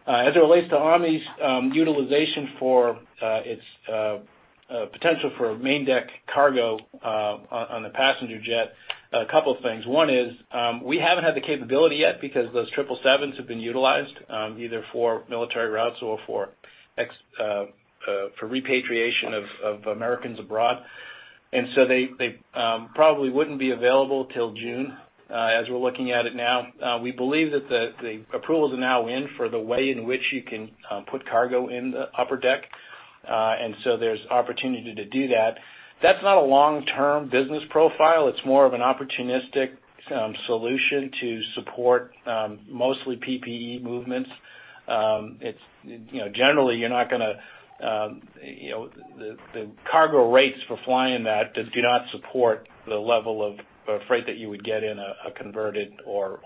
As it relates to Omni's utilization for its potential for main deck cargo on the passenger jet, a couple of things. One is, we haven't had the capability yet because those 777s have been utilized, either for military routes or for repatriation of Americans abroad. They probably wouldn't be available till June, as we're looking at it now. We believe that the approvals are now in for the way in which you can put cargo in the upper deck. There's opportunity to do that. That's not a long-term business profile. It's more of an opportunistic solution to support mostly PPE movements. Generally, the cargo rates for flying that do not support the level of freight that you would get in a converted or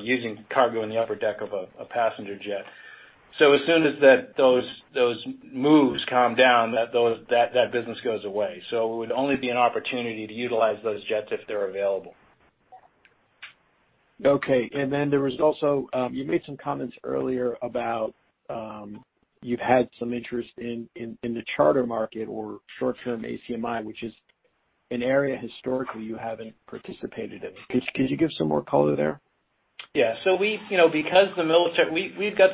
using cargo in the upper deck of a passenger jet. As soon as those moves calm down, that business goes away. It would only be an opportunity to utilize those jets if they're available. Okay, there was also, you made some comments earlier about you've had some interest in the charter market or short-term ACMI, which is an area historically you haven't participated in. Could you give some more color there? Yeah. We've got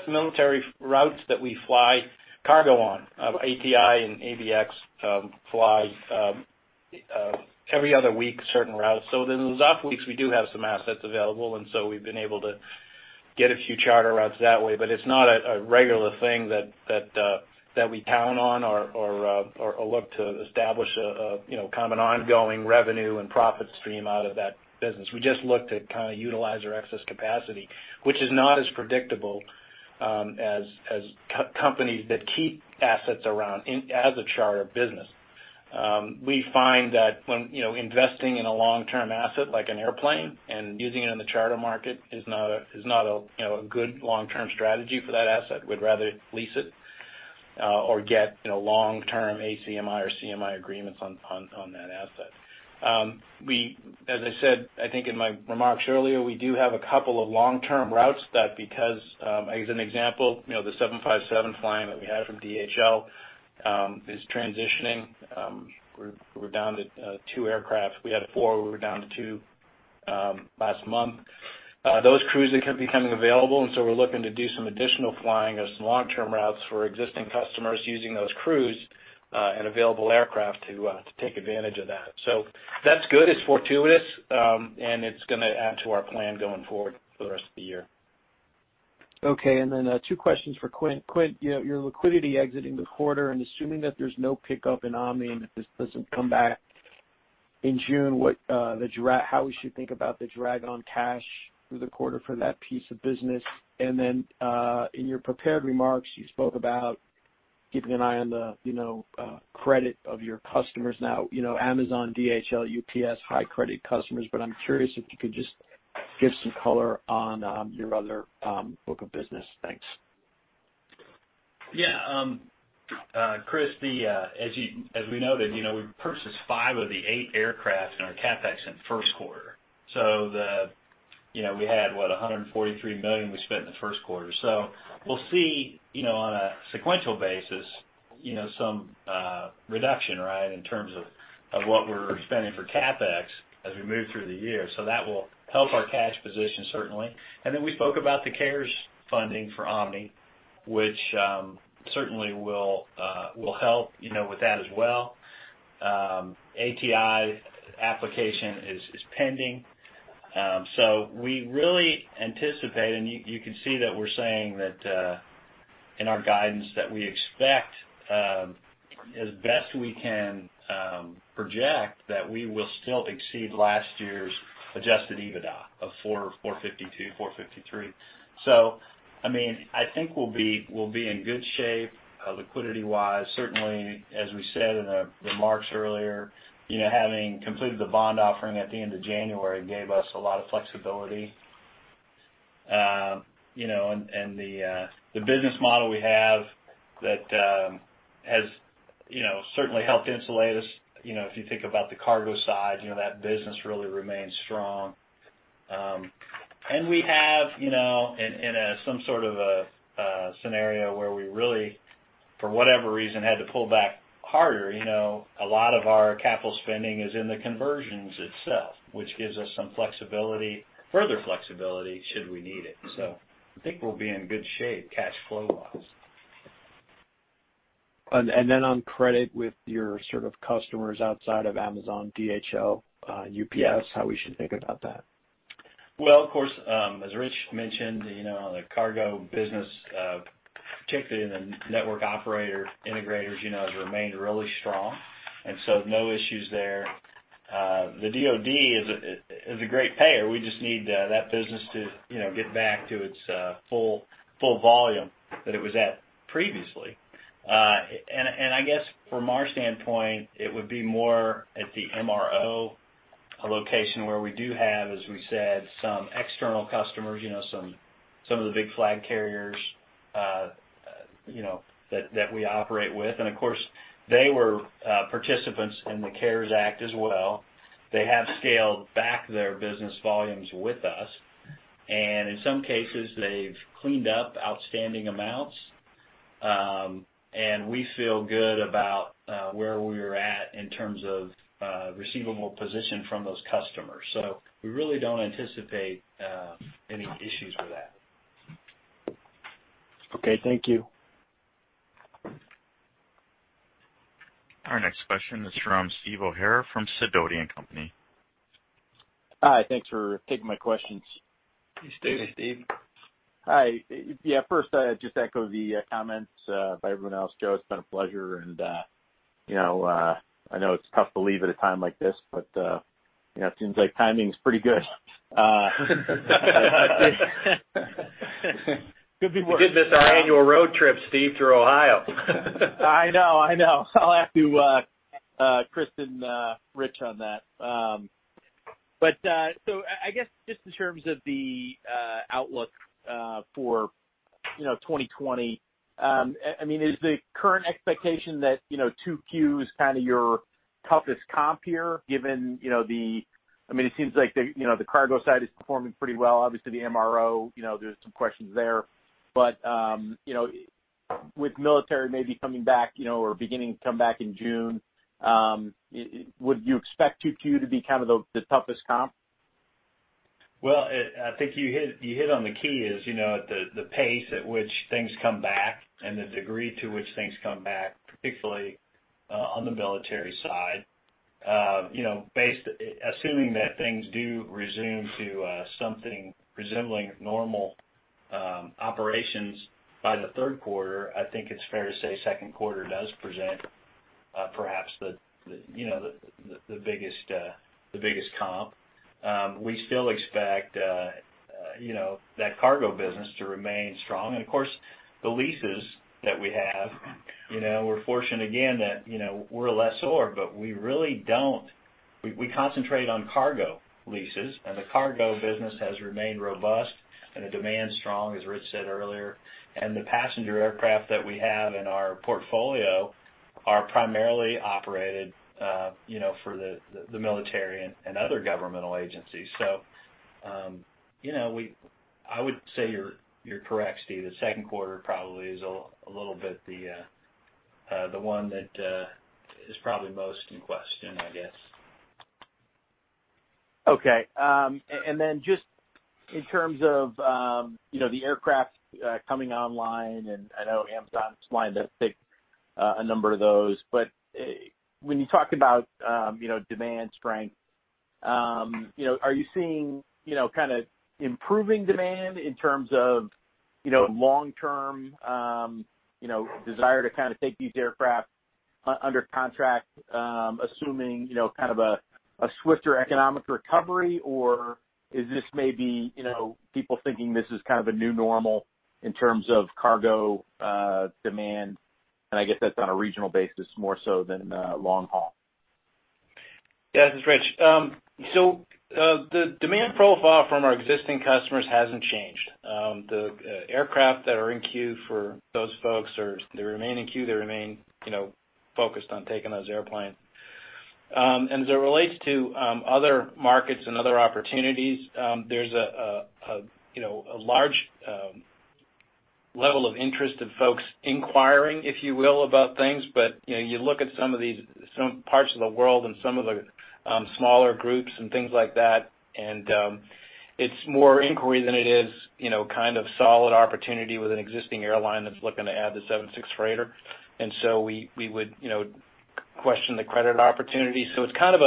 some military routes that we fly cargo on. ATI and ABX fly every other week, certain routes. Those off weeks, we do have some assets available, and so we've been able to get a few charter routes that way, but it's not a regular thing that we count on or look to establish a common ongoing revenue and profit stream out of that business. We just look to kind of utilize our excess capacity, which is not as predictable as companies that keep assets around as a charter business. We find that when investing in a long-term asset like an airplane and using it in the charter market is not a good long-term strategy for that asset. We'd rather lease it or get long-term ACMI or CMI agreements on that asset. As I said, I think in my remarks earlier, we do have a couple of long-term routes that because, as an example the 757 flying that we have from DHL is transitioning. We're down to two aircraft. We had four, we're down to two last month. Those crews are becoming available, we're looking to do some additional flying of some long-term routes for existing customers using those crews, and available aircraft to take advantage of that. That's good, it's fortuitous, and it's going to add to our plan going forward for the rest of the year. Okay. Two questions for Quint. Quint, your liquidity exiting the quarter and assuming that there's no pickup in Omni and that this doesn't come back in June, how we should think about the drag on cash through the quarter for that piece of business? In your prepared remarks, you spoke about keeping an eye on the credit of your customers now. Amazon, DHL, UPS, high credit customers, I'm curious if you could just give some color on your other book of business. Thanks. Chris, as we noted, we purchased five of the eight aircraft in our CapEx in first quarter. We had $143 million we spent in the first quarter. We'll see on a sequential basis some reduction in terms of what we're spending for CapEx as we move through the year. That will help our cash position certainly. We spoke about the CARES funding for Omni, which certainly will help with that as well. ATI application is pending. We really anticipate, and you can see that we're saying that, in our guidance, that we expect, as best we can project, that we will still exceed last year's adjusted EBITDA of $452 million, $453 million. I think we'll be in good shape liquidity-wise. Certainly, as we said in our remarks earlier, having completed the bond offering at the end of January gave us a lot of flexibility. The business model we have that has certainly helped insulate us. If you think about the cargo side, that business really remains strong. We have in some sort of a scenario where we really, for whatever reason, had to pull back harder, a lot of our capital spending is in the conversions itself, which gives us some further flexibility should we need it. I think we'll be in good shape cash flow-wise. On credit with your sort of customers outside of Amazon, DHL, UPS, how we should think about that? Well, of course, as Rich mentioned, the cargo business, particularly in the network operator integrators, has remained really strong. No issues there. The DOD is a great payer. We just need that business to get back to its full volume that it was at previously. I guess from our standpoint, it would be more at the MRO location where we do have, as we said, some external customers, some of the big flag carriers that we operate with. Of course, they were participants in the CARES Act as well. They have scaled back their business volumes with us, and in some cases, they've cleaned up outstanding amounts. We feel good about where we're at in terms of receivable position from those customers. We really don't anticipate any issues with that. Okay. Thank you. Our next question is from Steve O'Hara from Sidoti & Company. Hi. Thanks for taking my questions. Hey, Steve. Hey, Steve. Hi. First I just echo the comments by everyone else. Joe, it's been a pleasure, and I know it's tough to leave at a time like this, but it seems like timing's pretty good. You did miss our annual road trip, Steve, through Ohio. I know. I'll have to ask Chris and Rich on that. I guess just in terms of the outlook for 2020, is the current expectation that 2Q is kind of your toughest comp here, It seems like the cargo side is performing pretty well, obviously, the MRO, there's some questions there, with military maybe coming back or beginning to come back in June, would you expect 2Q to be kind of the toughest comp? I think you hit on the key is the pace at which things come back and the degree to which things come back, particularly on the military side. Assuming that things do resume to something resembling normal operations by the third quarter, I think it's fair to say second quarter does present perhaps the biggest comp. We still expect that cargo business to remain strong. Of course, the leases that we have, we're fortunate again that we're a lessor, but we concentrate on cargo leases, and the cargo business has remained robust and the demand strong, as Rich said earlier. The passenger aircraft that we have in our portfolio are primarily operated for the military and other governmental agencies. I would say you're correct, Steve. The second quarter probably is a little bit the one that is probably most in question, I guess. Okay. Then just in terms of the aircraft coming online, and I know Amazon's lined up to take a number of those, but when you talk about demand strength, are you seeing improving demand in terms of long-term desire to take these aircraft under contract, assuming a swifter economic recovery? Is this maybe people thinking this is a new normal in terms of cargo demand? I guess that's on a regional basis more so than long haul. This is Rich. The demand profile from our existing customers hasn't changed. The aircraft that are in queue for those folks, they remain in queue. They remain focused on taking those airplanes. As it relates to other markets and other opportunities, there's a large level of interest of folks inquiring, if you will, about things. You look at some parts of the world and some of the smaller groups and things like that, and it's more inquiry than it is solid opportunity with an existing airline that's looking to add the 76 freighter. We would question the credit opportunity. It's kind of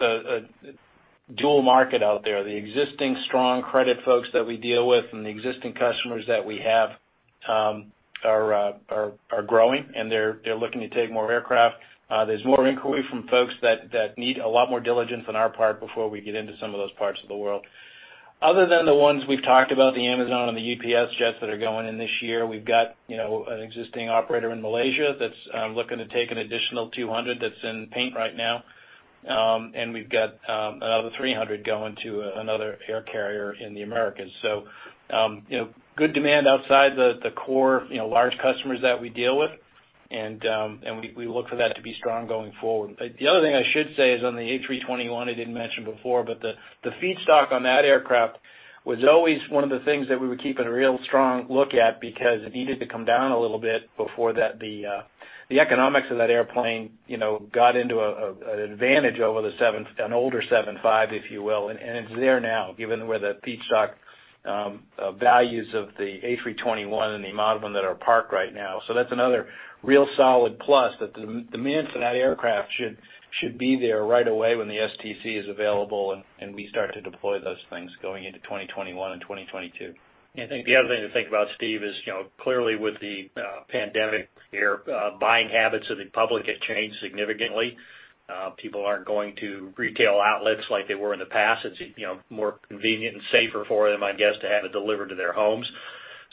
a dual market out there. The existing strong credit folks that we deal with and the existing customers that we have are growing, and they're looking to take more aircraft. There's more inquiry from folks that need a lot more diligence on our part before we get into some of those parts of the world. Other than the ones we've talked about, the Amazon and the UPS jets that are going in this year, we've got an existing operator in Malaysia that's looking to take an additional 200 that's in paint right now. We've got another 300 going to another air carrier in the Americas. Good demand outside the core large customers that we deal with, and we look for that to be strong going forward. The other thing I should say is on the A321, I didn't mention before, but the feedstock on that aircraft was always one of the things that we were keeping a real strong look at because it needed to come down a little bit before the economics of that airplane got into an advantage over an older 75, if you will. It's there now, given where the feedstock values of the A321 and the amount of them that are parked right now. That's another real solid plus that the demand for that aircraft should be there right away when the STC is available, and we start to deploy those things going into 2021 and 2022. Yeah. I think the other thing to think about, Steve, is clearly with the pandemic here, buying habits of the public have changed significantly. People aren't going to retail outlets like they were in the past. It's more convenient and safer for them, I guess, to have it delivered to their homes.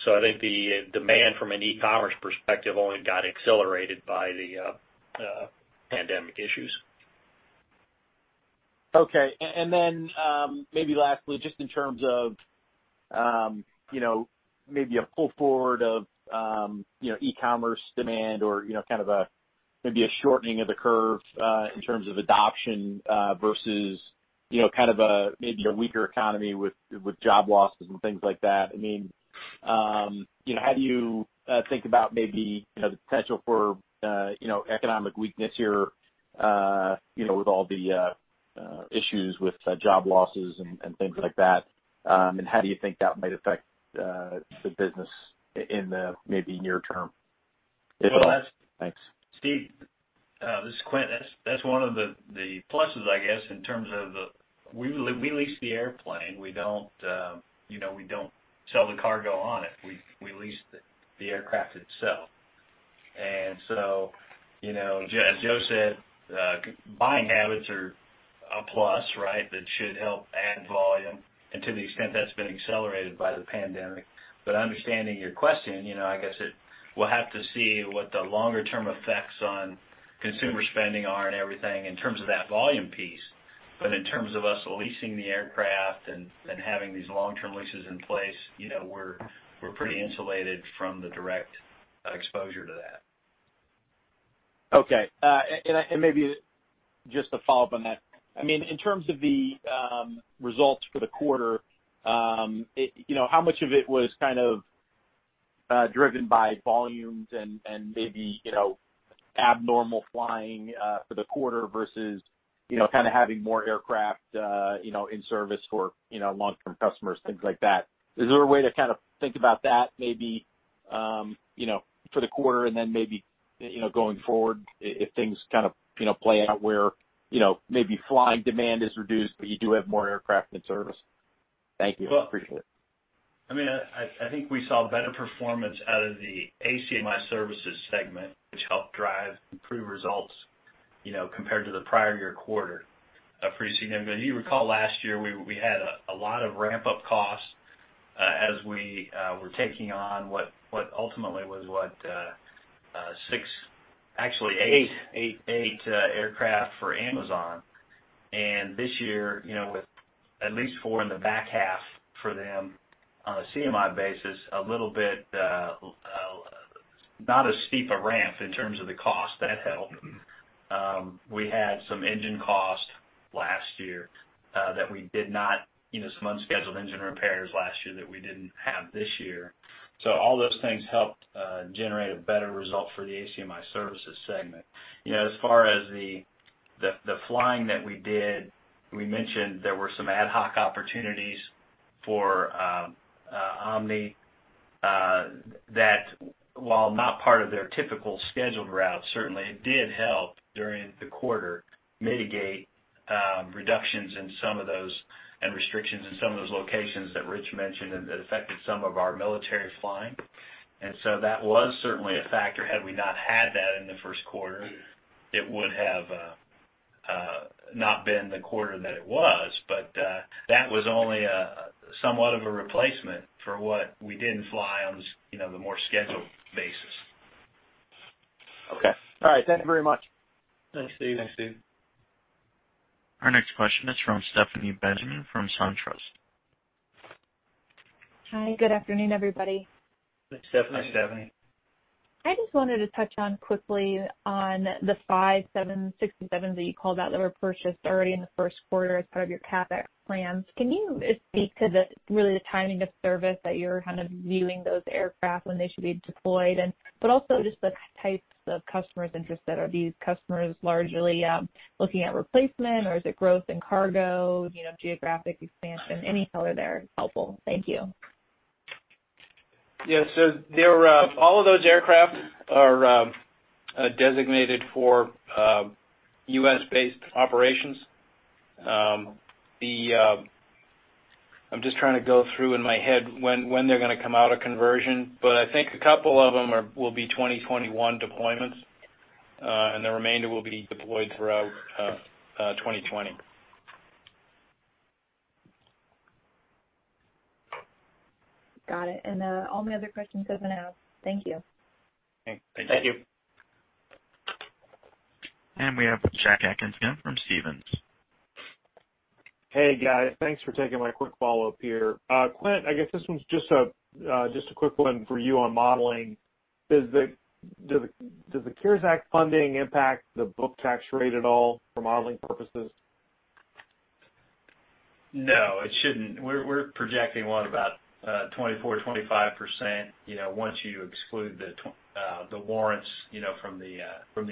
I think the demand from an e-commerce perspective only got accelerated by the pandemic issues. Okay. Then maybe lastly, just in terms of maybe a pull forward of e-commerce demand or maybe a shortening of the curve in terms of adoption versus maybe a weaker economy with job losses and things like that. How do you think about maybe the potential for economic weakness here with all the issues with job losses and things like that? How do you think that might affect the business in the maybe near term, if at all? Thanks. Steve, this is Quint. That's one of the pluses, I guess, in terms of we lease the airplane. We don't sell the cargo on it. We lease the aircraft itself. As Joe said, buying habits are a plus, right? That should help add volume, and to the extent that's been accelerated by the pandemic. Understanding your question, I guess we'll have to see what the longer-term effects on consumer spending are and everything in terms of that volume piece. In terms of us leasing the aircraft and having these long-term leases in place, we're pretty insulated from the direct exposure to that. Okay. Maybe just to follow up on that. In terms of the results for the quarter, how much of it was driven by volumes and maybe abnormal flying for the quarter versus having more aircraft in service for long-term customers, things like that? Is there a way to think about that maybe for the quarter, then maybe going forward, if things play out where maybe flying demand is reduced, but you do have more aircraft in service? Thank you. Appreciate it. I think we saw better performance out of the ACMI services segment, which helped drive improved results compared to the prior year quarter. Pretty significant. You recall last year, we had a lot of ramp-up costs as we were taking on what ultimately was what? Six. Eight aircraft for Amazon. This year, with at least four in the back half for them on a CMI basis, a little bit not as steep a ramp in terms of the cost. That helped. We had some engine costs last year, some unscheduled engine repairs last year that we didn't have this year. All those things helped generate a better result for the ACMI Services segment. As far as the flying that we did, we mentioned there were some ad hoc opportunities for Omni that, while not part of their typical scheduled route, certainly it did help during the quarter mitigate reductions and restrictions in some of those locations that Rich mentioned that affected some of our military flying. That was certainly a factor. Had we not had that in the first quarter, it would have not been the quarter that it was. That was only somewhat of a replacement for what we didn't fly on the more scheduled basis. Okay. All right. Thank you very much. Thanks, Steve. Thanks, Steve. Our next question is from Stephanie Benjamin from SunTrust. Hi, good afternoon, everybody. Hi, Stephanie. Hi, Stephanie. I just wanted to touch on quickly on the five 767s that you called out that were purchased already in the first quarter as part of your CapEx plans. Can you speak to the timing to service that you're kind of viewing those aircraft when they should be deployed, but also just the types of customers interested? Are these customers largely looking at replacement, or is it growth in cargo, geographic expansion? Any color there is helpful. Thank you. Yes. All of those aircraft are designated for U.S.-based operations. I'm just trying to go through in my head when they're going to come out of conversion. I think a couple of them will be 2021 deployments, and the remainder will be deployed throughout 2020. Got it. All my other questions have been asked. Thank you. Okay. Thank you. We have Jack Atkins from Stephens. Hey, guys. Thanks for taking my quick follow-up here. Quint, I guess this one's just a quick one for you on modeling. Does the CARES Act funding impact the book tax rate at all for modeling purposes? No, it shouldn't. We're projecting what about 24%-25%, once you exclude the warrants from the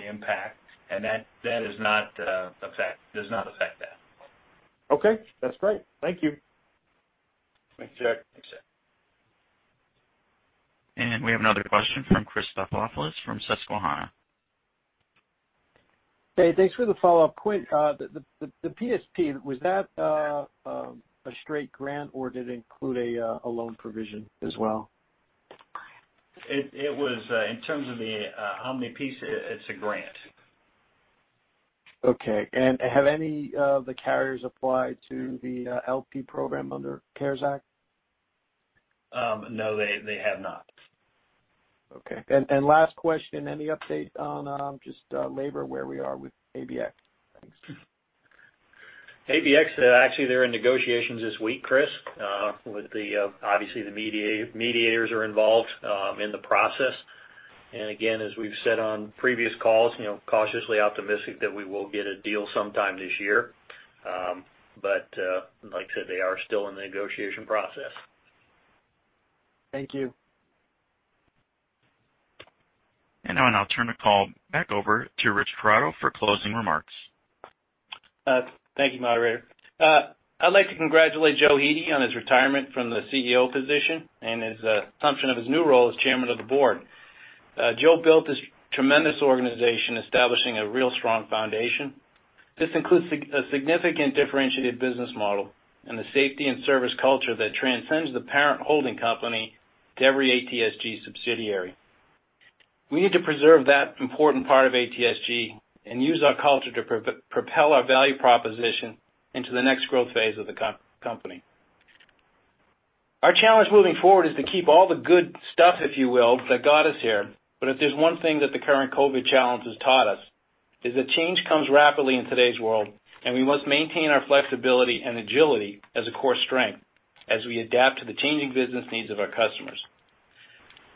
impact. That does not affect that. Okay. That's great. Thank you. Thanks, Jack. Thanks, Jack. We have another question from Chris Stathoulopoulos from Susquehanna. Hey, thanks for the follow-up. Quint, the PSP, was that a straight grant or did it include a loan provision as well? In terms of the Omni piece, it's a grant. Okay. Have any of the carriers applied to the LP program under CARES Act? No, they have not. Okay. Last question, any update on just labor, where we are with ABX? Thanks. ABX, actually, they're in negotiations this week, Chris. Obviously the mediators are involved in the process. Again, as we've said on previous calls, cautiously optimistic that we will get a deal sometime this year. Like I said, they are still in the negotiation process. Thank you. Now I'll turn the call back over to Rich Corrado for closing remarks. Thank you, moderator. I'd like to congratulate Joe Hete on his retirement from the CEO position and his assumption of his new role as Chairman of the Board. Joe built this tremendous organization, establishing a real strong foundation. This includes a significant differentiated business model and a safety and service culture that transcends the parent holding company to every ATSG subsidiary. We need to preserve that important part of ATSG and use our culture to propel our value proposition into the next growth phase of the company. Our challenge moving forward is to keep all the good stuff, if you will, that got us here. If there's one thing that the current COVID challenge has taught us is that change comes rapidly in today's world, and we must maintain our flexibility and agility as a core strength as we adapt to the changing business needs of our customers.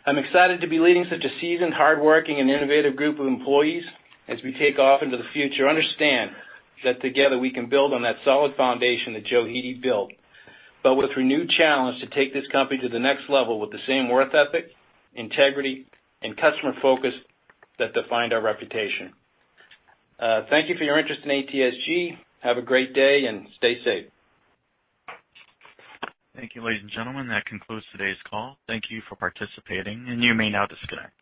I'm excited to be leading such a seasoned, hardworking, and innovative group of employees as we take off into the future. Understand that together we can build on that solid foundation that Joe Hete built, but with renewed challenge to take this company to the next level with the same work ethic, integrity, and customer focus that defined our reputation. Thank you for your interest in ATSG. Have a great day, and stay safe. Thank you, ladies and gentlemen. That concludes today's call. Thank you for participating, and you may now disconnect.